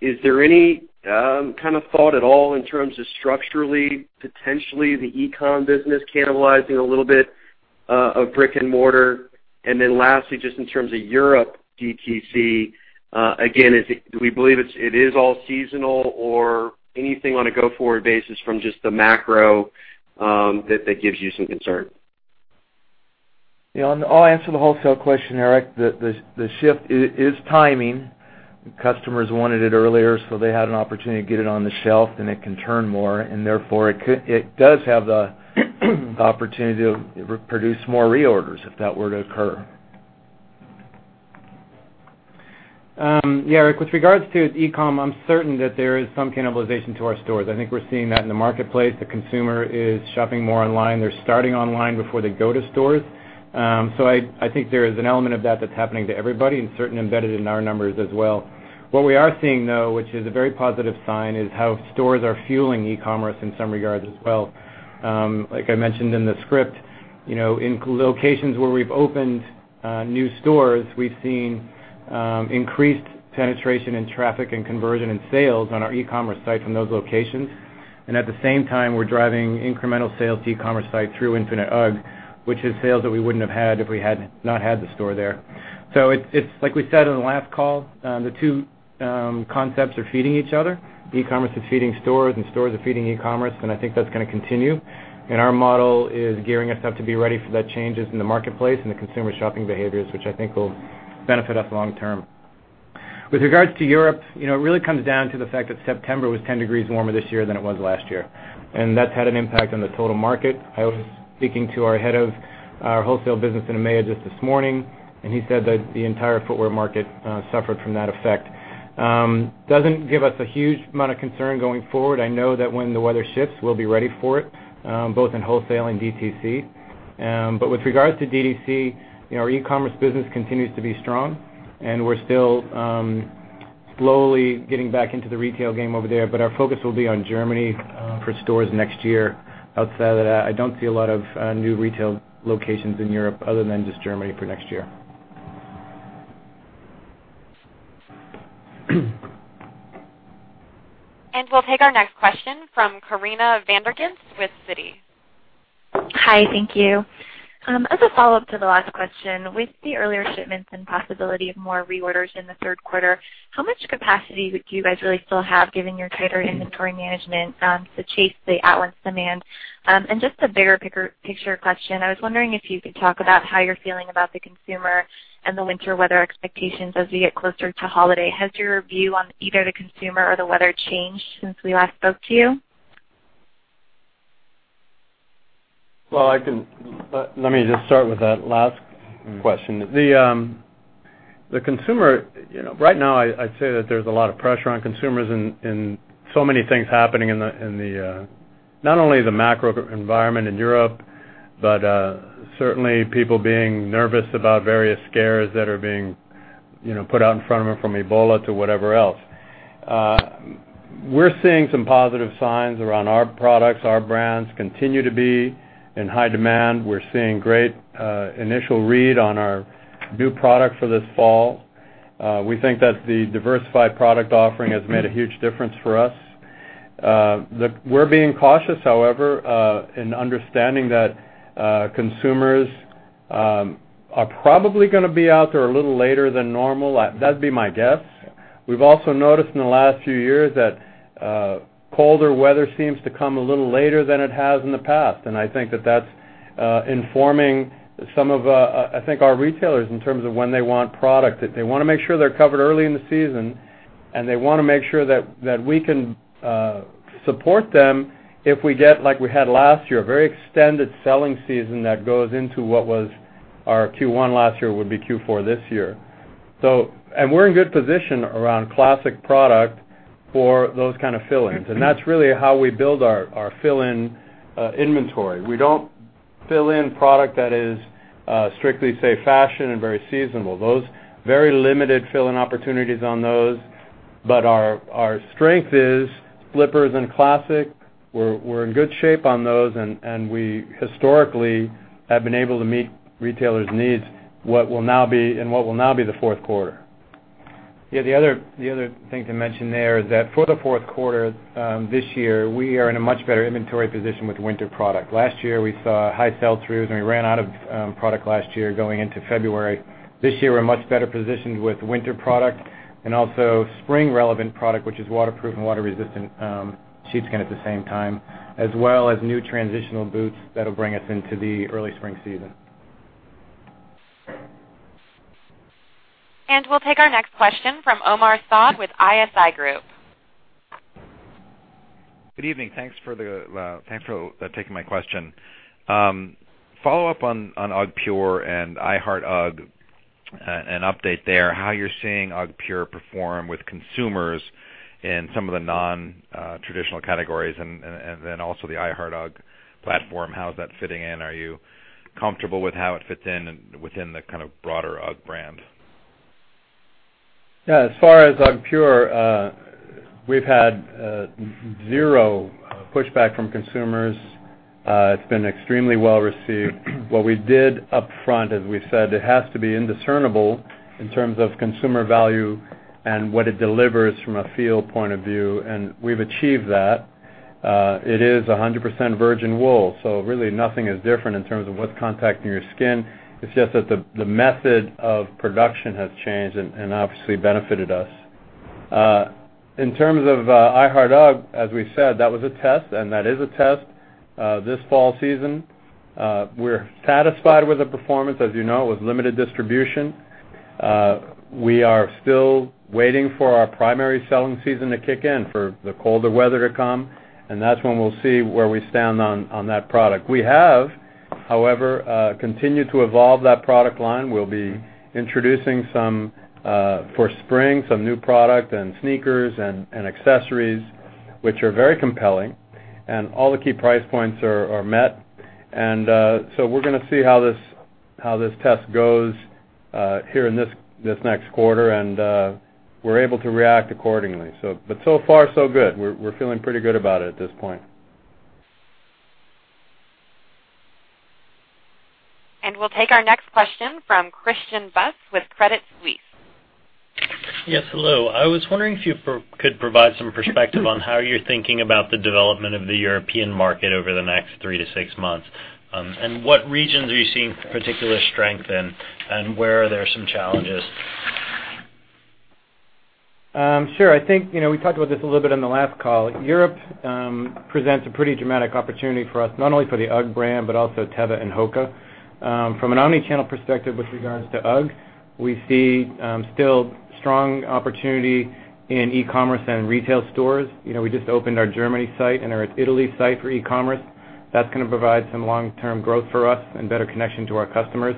Is there any kind of thought at all in terms of structurally, potentially the e-com business cannibalizing a little bit of brick and mortar? Lastly, just in terms of Europe DTC, again, do we believe it is all seasonal or anything on a go-forward basis from just the macro that gives you some concern? I'll answer the wholesale question, Eric. The shift is timing. Customers wanted it earlier, so they had an opportunity to get it on the shelf, and it can turn more, and therefore it does have the opportunity to produce more reorders if that were to occur. Eric, with regards to e-com, I'm certain that there is some cannibalization to our stores. I think we're seeing that in the marketplace. The consumer is shopping more online. They're starting online before they go to stores. I think there is an element of that that's happening to everybody and certain embedded in our numbers as well. What we are seeing, though, which is a very positive sign, is how stores are fueling e-commerce in some regards as well. Like I mentioned in the script, in locations where we've opened new stores, we've seen increased penetration in traffic and conversion in sales on our e-commerce site from those locations. At the same time, we're driving incremental sales to e-commerce site through Infinite UGG, which is sales that we wouldn't have had if we had not had the store there. It's like we said on the last call, the two concepts are feeding each other. E-commerce is feeding stores, and stores are feeding e-commerce. I think that's going to continue. Our model is gearing us up to be ready for that changes in the marketplace and the consumer shopping behaviors, which I think will benefit us long term. With regards to Europe, it really comes down to the fact that September was 10 degrees warmer this year than it was last year, and that's had an impact on the total market. I was speaking to our head of our wholesale business in EMEA just this morning, and he said that the entire footwear market suffered from that effect. It doesn't give us a huge amount of concern going forward. I know that when the weather shifts, we'll be ready for it, both in wholesale and DTC. With regards to DTC, our e-commerce business continues to be strong, and we're still slowly getting back into the retail game over there, but our focus will be on Germany for stores next year. Outside of that, I don't see a lot of new retail locations in Europe other than just Germany for next year. We'll take our next question from Corinna van der Ghinst with Citi. Hi. Thank you. As a follow-up to the last question, with the earlier shipments and possibility of more reorders in the third quarter, how much capacity do you guys really still have given your tighter inventory management to chase the outlying demand? Just a bigger picture question, I was wondering if you could talk about how you're feeling about the consumer and the winter weather expectations as we get closer to holiday. Has your view on either the consumer or the weather changed since we last spoke to you? Let me just start with that last question. The consumer, right now, I'd say that there's a lot of pressure on consumers and so many things happening in the, not only the macro environment in Europe, but certainly people being nervous about various scares that are being put out in front of them from Ebola to whatever else. We're seeing some positive signs around our products. Our brands continue to be in high demand. We're seeing great initial read on our new product for this fall. We think that the diversified product offering has made a huge difference for us. We're being cautious, however, in understanding that consumers are probably going to be out there a little later than normal. That'd be my guess. We've also noticed in the last few years that colder weather seems to come a little later than it has in the past, and I think that that's informing some of, I think our retailers in terms of when they want product. That they want to make sure they're covered early in the season, and they want to make sure that we can support them if we get, like we had last year, a very extended selling season that goes into what was our Q1 last year would be Q4 this year. We're in good position around classic product for those kind of fill-ins, and that's really how we build our fill-in inventory. Fill-in product that is strictly, say, fashion and very seasonal. Those very limited fill-in opportunities on those. Our strength is slippers and classic. We're in good shape on those, and we historically have been able to meet retailers' needs in what will now be the fourth quarter. The other thing to mention there is that for the fourth quarter, this year, we are in a much better inventory position with winter product. Last year, we saw high sell-throughs, and we ran out of product last year going into February. This year, we're much better positioned with winter product and also spring-relevant product, which is waterproof and water-resistant sheepskin at the same time, as well as new transitional boots that'll bring us into the early spring season. We'll take our next question from Omar Saad with ISI Group. Good evening. Thanks for taking my question. Follow-up on UGGpure and iHeartUGG, an update there, how you're seeing UGGpure perform with consumers in some of the non-traditional categories and then also the iHeartUGG platform, how is that fitting in? Are you comfortable with how it fits in within the kind of broader UGG brand? Yeah. As far as UGGpure, we've had zero pushback from consumers. It's been extremely well-received. What we did upfront, as we said, it has to be indiscernible in terms of consumer value and what it delivers from a feel point of view, and we've achieved that. It is 100% virgin wool, so really nothing is different in terms of what's contacting your skin. It's just that the method of production has changed and obviously benefited us. In terms of iHeartUGG, as we said, that was a test, and that is a test. This fall season, we're satisfied with the performance, as you know, with limited distribution. We are still waiting for our primary selling season to kick in for the colder weather to come, and that's when we'll see where we stand on that product. We have, however, continued to evolve that product line. We'll be introducing, for spring, some new product and sneakers and accessories, which are very compelling, and all the key price points are met. So we're going to see how this test goes here in this next quarter, and we're able to react accordingly. So far, so good. We're feeling pretty good about it at this point. We'll take our next question from Christian Buss with Credit Suisse. Yes. Hello. I was wondering if you could provide some perspective on how you're thinking about the development of the European market over the next 3-6 months. What regions are you seeing particular strength in, and where are there some challenges? Sure. I think, we talked about this a little bit on the last call. Europe presents a pretty dramatic opportunity for us, not only for the UGG brand, but also Teva and HOKA. From an omnichannel perspective with regards to UGG, we see still strong opportunity in e-commerce and retail stores. We just opened our Germany site and our Italy site for e-commerce. That's going to provide some long-term growth for us and better connection to our customers.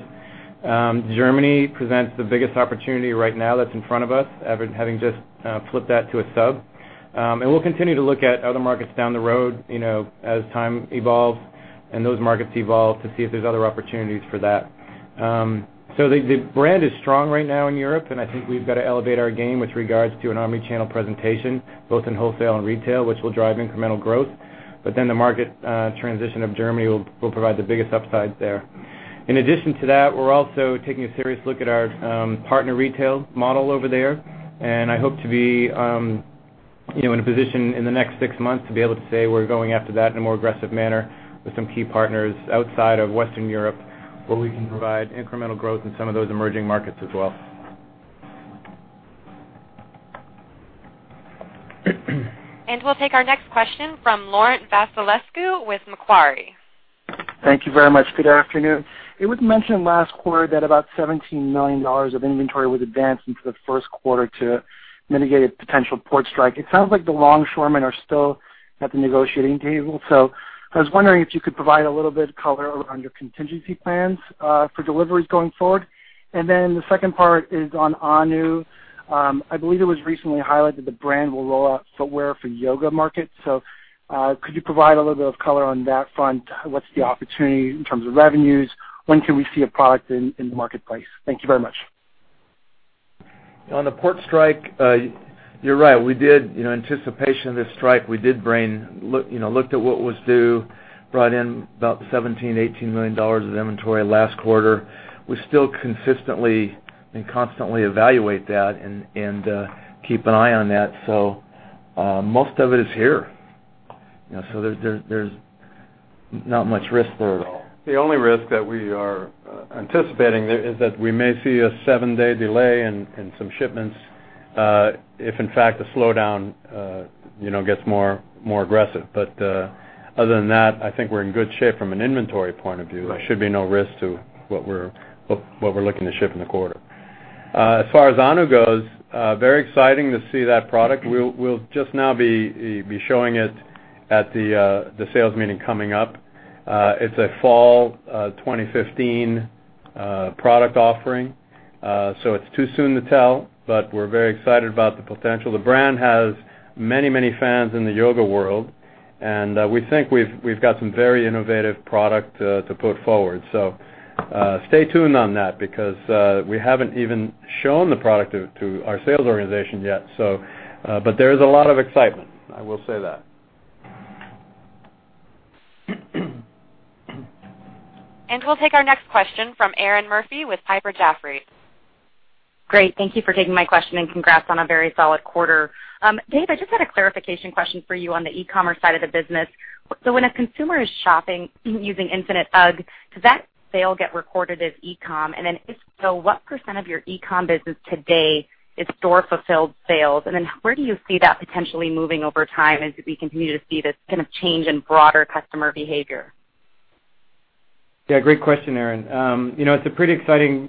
Germany presents the biggest opportunity right now that's in front of us, having just flipped that to a sub. We'll continue to look at other markets down the road as time evolves and those markets evolve to see if there's other opportunities for that. The brand is strong right now in Europe, and I think we've got to elevate our game with regards to an omnichannel presentation, both in wholesale and retail, which will drive incremental growth. The market transition of Germany will provide the biggest upside there. In addition to that, we're also taking a serious look at our partner retail model over there, and I hope to be in a position in the next six months to be able to say we're going after that in a more aggressive manner with some key partners outside of Western Europe, where we can provide incremental growth in some of those emerging markets as well. We'll take our next question from Laurent Vasilescu with Macquarie. Thank you very much. Good afternoon. It was mentioned last quarter that about $17 million of inventory was advanced into the first quarter to mitigate a potential port strike. It sounds like the longshoremen are still at the negotiating table. I was wondering if you could provide a little bit of color on your contingency plans for deliveries going forward. The second part is on Sanuk. I believe it was recently highlighted that the brand will roll out footwear for yoga market. Could you provide a little bit of color on that front? What's the opportunity in terms of revenues? When can we see a product in the marketplace? Thank you very much. On the port strike, you're right. In anticipation of this strike, we did looked at what was due, brought in about $17, $18 million of inventory last quarter. We still consistently and constantly evaluate that and keep an eye on that. Most of it is here. There's not much risk there at all. The only risk that we are anticipating there is that we may see a seven-day delay in some shipments, if in fact, the slowdown gets more aggressive. Other than that, I think we're in good shape from an inventory point of view. Right. There should be no risk to what we're looking to ship in the quarter. As far as Sanuk goes, very exciting to see that product. We'll just now be showing it at the sales meeting coming up. It's a fall 2015 product offering. It's too soon to tell, but we're very excited about the potential. The brand has many fans in the yoga world, and we think we've got some very innovative product to put forward. Stay tuned on that because we haven't even shown the product to our sales organization yet. There is a lot of excitement, I will say that. We'll take our next question from Erinn Murphy with Piper Jaffray. Great. Thank you for taking my question and congrats on a very solid quarter. Dave, I just had a clarification question for you on the e-commerce side of the business. When a consumer is shopping using Infinite UGG, does that sale get recorded as e-com? If so, what % of your e-com business today is store-fulfilled sales? Where do you see that potentially moving over time as we continue to see this kind of change in broader customer behavior? Great question, Erinn. It's a pretty exciting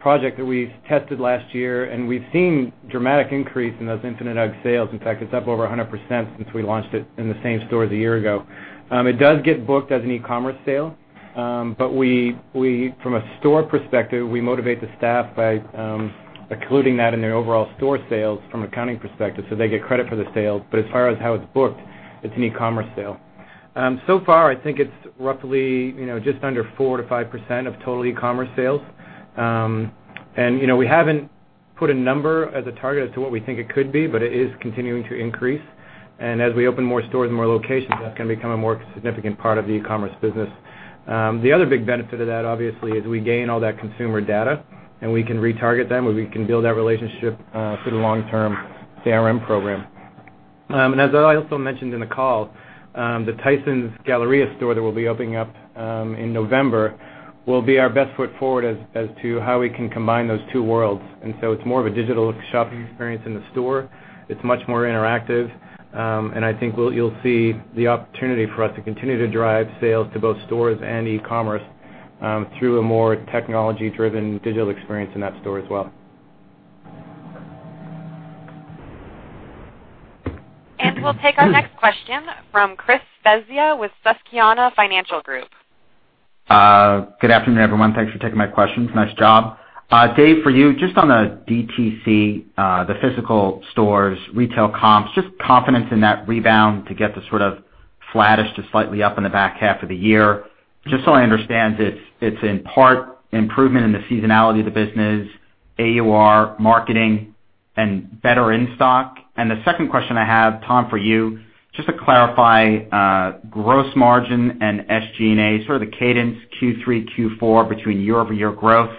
project that we tested last year, and we've seen dramatic increase in those Infinite UGG sales. In fact, it's up over 100% since we launched it in the same stores a year ago. It does get booked as an e-commerce sale. From a store perspective, we motivate the staff by including that in their overall store sales from an accounting perspective, so they get credit for the sale. As far as how it's booked, it's an e-commerce sale. Far, I think it's roughly just under 4%-5% of total e-commerce sales. We haven't put a number as a target as to what we think it could be, but it is continuing to increase. As we open more stores and more locations, that's going to become a more significant part of the e-commerce business. The other big benefit of that, obviously, is we gain all that consumer data, and we can retarget them, or we can build that relationship for the long term CRM program. As I also mentioned in the call, the Tysons Galleria store that we'll be opening up in November will be our best foot forward as to how we can combine those two worlds. So it's more of a digital shopping experience in the store. It's much more interactive. I think you'll see the opportunity for us to continue to drive sales to both stores and e-commerce through a more technology-driven digital experience in that store as well. We'll take our next question from Christopher Svezia with Susquehanna Financial Group. Good afternoon, everyone. Thanks for taking my questions. Nice job. Dave, for you, just on the DTC, the physical stores, retail comps, just confidence in that rebound to get to sort of flattish to slightly up in the back half of the year. Just so I understand this, it's in part improvement in the seasonality of the business, AUR marketing, and better in-stock. The second question I have, Tom, for you, just to clarify gross margin and SG&A, sort of the cadence Q3, Q4 between year-over-year growth.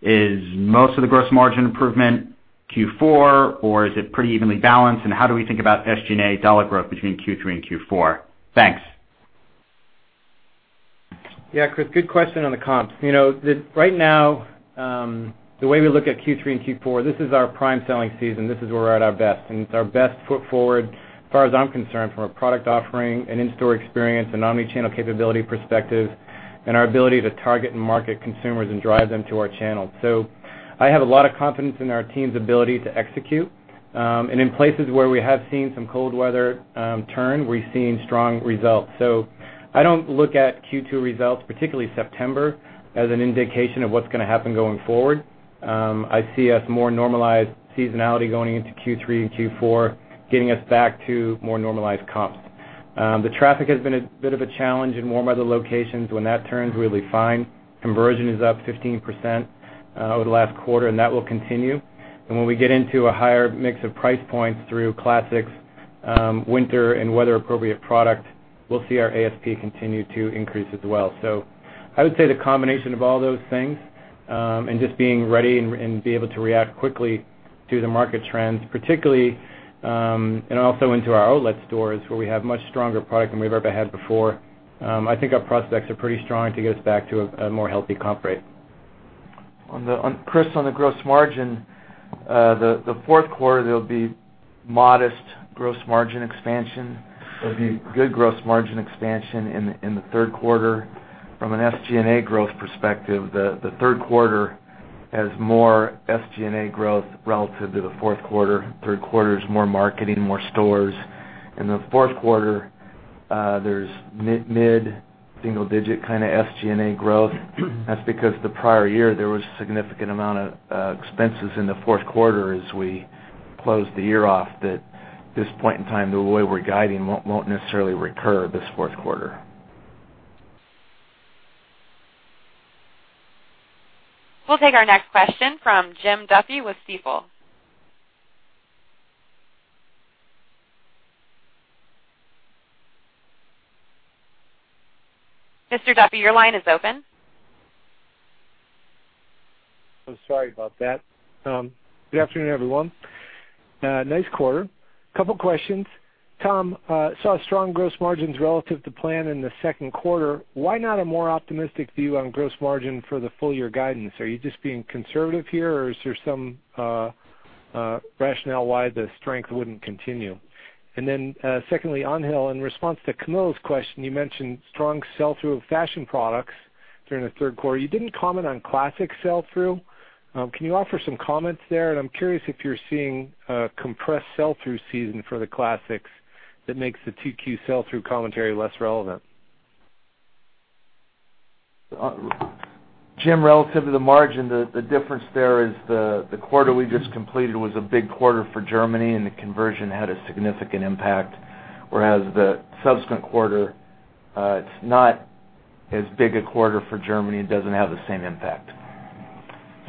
Is most of the gross margin improvement Q4, or is it pretty evenly balanced? How do we think about SG&A dollar growth between Q3 and Q4? Thanks. Yeah, Chris, good question on the comps. Right now, the way we look at Q3 and Q4, this is our prime selling season. This is where we're at our best, and it's our best foot forward as far as I'm concerned from a product offering, an in-store experience, an omnichannel capability perspective, and our ability to target and market consumers and drive them to our channel. I have a lot of confidence in our team's ability to execute. In places where we have seen some cold weather turn, we've seen strong results. I don't look at Q2 results, particularly September, as an indication of what's going to happen going forward. I see us more normalized seasonality going into Q3 and Q4, getting us back to more normalized comps. The traffic has been a bit of a challenge in warm weather locations. When that turns, we'll be fine. Conversion is up 15% over the last quarter, and that will continue. When we get into a higher mix of price points through classics, winter, and weather-appropriate product, we'll see our ASP continue to increase as well. I would say the combination of all those things, and just being ready and be able to react quickly to the market trends, particularly, and also into our outlet stores where we have much stronger product than we've ever had before. I think our prospects are pretty strong to get us back to a more healthy comp rate. Chris, on the gross margin, the fourth quarter, there'll be modest gross margin expansion. There'll be good gross margin expansion in the third quarter. From an SG&A growth perspective, the third quarter has more SG&A growth relative to the fourth quarter. Third quarter is more marketing, more stores. In the fourth quarter, there's mid-single-digit kind of SG&A growth. That's because the prior year, there was a significant amount of expenses in the fourth quarter as we closed the year off that this point in time, the way we're guiding won't necessarily recur this fourth quarter. We'll take our next question from Jim Duffy with Stifel. Mr. Duffy, your line is open. I'm sorry about that. Good afternoon, everyone. Nice quarter. Couple questions. Tom, saw strong gross margins relative to plan in the second quarter. Why not a more optimistic view on gross margin for the full-year guidance? Are you just being conservative here, or is there some rationale why the strength wouldn't continue? Secondly, Angel, in response to Camilo's question, you mentioned strong sell-through of fashion products during the third quarter. You didn't comment on classic sell-through. Can you offer some comments there? I'm curious if you're seeing a compressed sell-through season for the classics that makes the 2Q sell-through commentary less relevant. Jim, relative to the margin, the difference there is the quarter we just completed was a big quarter for Germany. The conversion had a significant impact, whereas the subsequent quarter, it's not as big a quarter for Germany and doesn't have the same impact.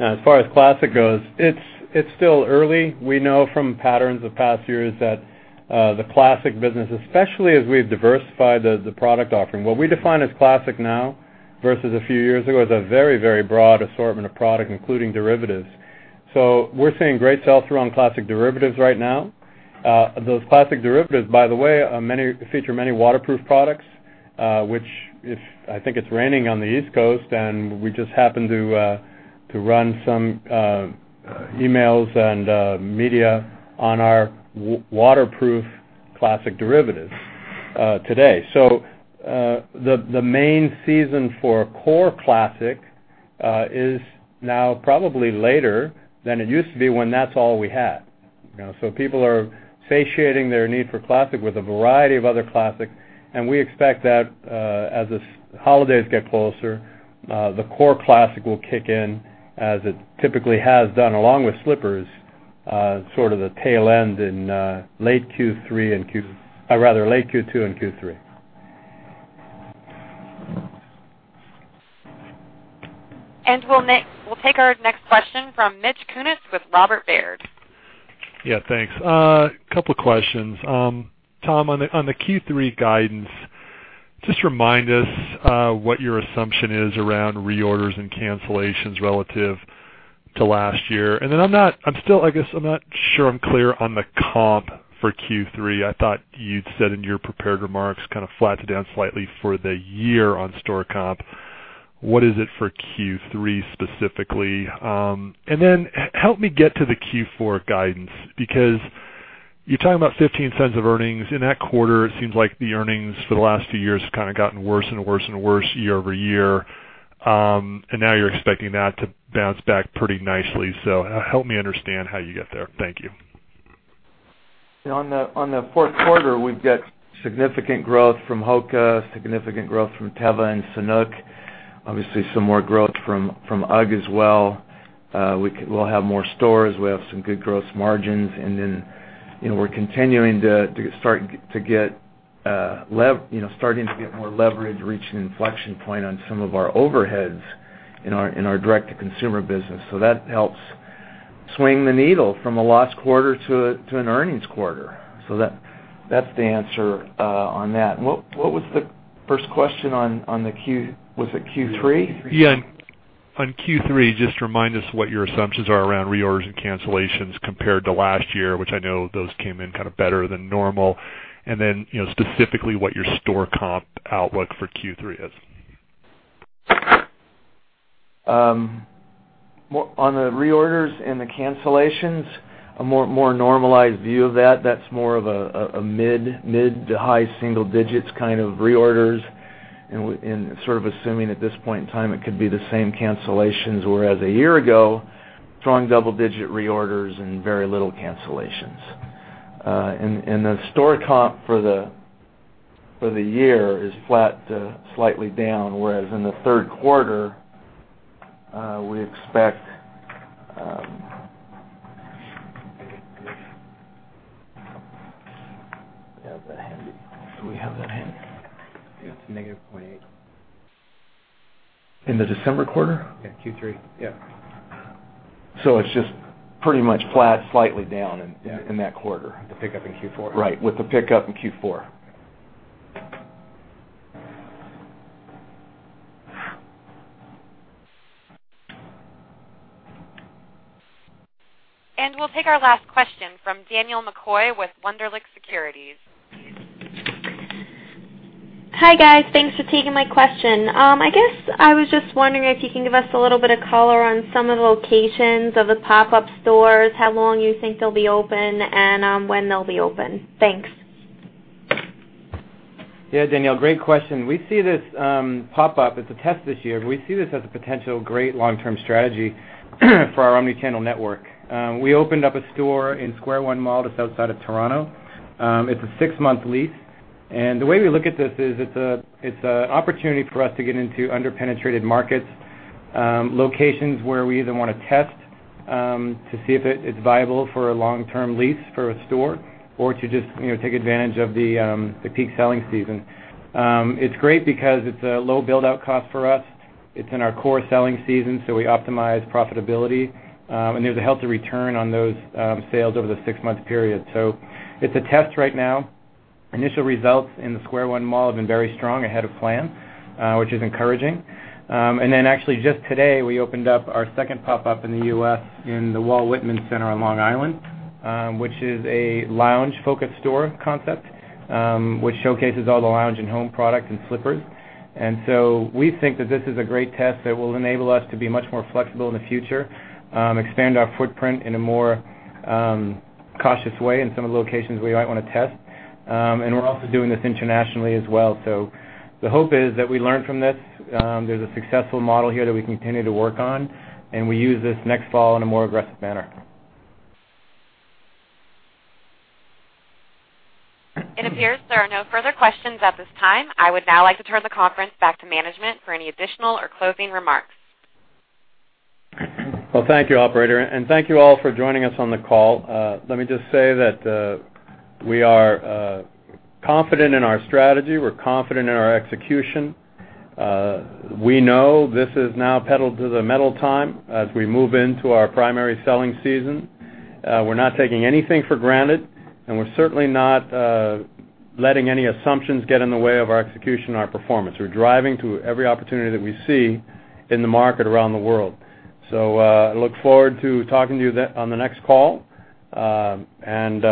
As far as classic goes, it's still early. We know from patterns of past years that the classic business, especially as we've diversified the product offering, what we define as classic now versus a few years ago, is a very broad assortment of product, including derivatives. We're seeing great sell-through on classic derivatives right now. Those classic derivatives, by the way, feature many waterproof products. I think it's raining on the East Coast. We just happened to run some emails and media on our waterproof classic derivatives today. The main season for core classic is now probably later than it used to be when that's all we had. People are satiating their need for classic with a variety of other classics. We expect that as the holidays get closer, the core classic will kick in as it typically has done, along with slippers, sort of the tail end in late Q2 and Q3. We'll take our next question from Mitch Kummetz with Robert Baird. Yeah, thanks. Couple questions. Tom, on the Q3 guidance, just remind us what your assumption is around reorders and cancellations relative to last year. I'm not sure I'm clear on the comp for Q3. I thought you'd said in your prepared remarks, kind of flat to down slightly for the year on store comp. What is it for Q3 specifically? Help me get to the Q4 guidance, because you're talking about $0.15 of earnings. In that quarter, it seems like the earnings for the last few years have kind of gotten worse and worse year-over-year. Now you're expecting that to bounce back pretty nicely. Help me understand how you get there. Thank you. On the fourth quarter, we've got significant growth from HOKA, significant growth from Teva and Sanuk. Obviously, some more growth from UGG as well. We'll have more stores. We have some good gross margins. We're continuing to get more leverage to reach an inflection point on some of our overheads in our direct-to-consumer business. That helps swing the needle from a loss quarter to an earnings quarter. That's the answer on that. What was the first question on the Q? Was it Q3? Yeah. On Q3, just remind us what your assumptions are around reorders and cancellations compared to last year, which I know those came in kind of better than normal. Specifically what your store comp outlook for Q3 is. On the reorders and the cancellations, a more normalized view of that's more of a mid to high single-digits kind of reorders. Sort of assuming at this point in time, it could be the same cancellations, whereas a year ago, strong double-digit reorders and very little cancellations. The store comp for the year is flat to slightly down, whereas in the third quarter, we expect. Do we have that handy? It's -0.8. In the December quarter? Yeah, Q3. Yep. It's just pretty much flat, slightly down in that quarter. With the pickup in Q4. Right, with the pickup in Q4. We'll take our last question from Danielle McCoy with Wunderlich Securities. Hi, guys. Thanks for taking my question. I guess I was just wondering if you can give us a little bit of color on some of the locations of the pop-up stores, how long you think they'll be open, and when they'll be open. Thanks. Yeah, Danielle, great question. We see this pop-up as a test this year. We see this as a potential great long-term strategy for our omnichannel network. We opened up a store in Square One Mall, just outside of Toronto. It's a six-month lease. The way we look at this is, it's an opportunity for us to get into under-penetrated markets, locations where we either want to test to see if it's viable for a long-term lease for a store or to just take advantage of the peak selling season. It's great because it's a low build-out cost for us. It's in our core selling season, so we optimize profitability. There's a healthy return on those sales over the six-month period. It's a test right now. Initial results in the Square One Mall have been very strong, ahead of plan, which is encouraging. Actually just today, we opened up our second pop-up in the U.S. in the Walt Whitman Shops on Long Island, which is a lounge-focused store concept, which showcases all the lounge and home product and slippers. We think that this is a great test that will enable us to be much more flexible in the future, expand our footprint in a more cautious way in some of the locations we might want to test. We're also doing this internationally as well. The hope is that we learn from this. There's a successful model here that we can continue to work on, and we use this next fall in a more aggressive manner. It appears there are no further questions at this time. I would now like to turn the conference back to management for any additional or closing remarks. Well, thank you, operator, and thank you all for joining us on the call. Let me just say that we are confident in our strategy. We're confident in our execution. We know this is now pedal to the metal time as we move into our primary selling season. We're not taking anything for granted, and we're certainly not letting any assumptions get in the way of our execution and our performance. We're driving to every opportunity that we see in the market around the world. I look forward to talking to you on the next call, and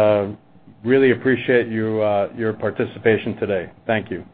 really appreciate your participation today. Thank you.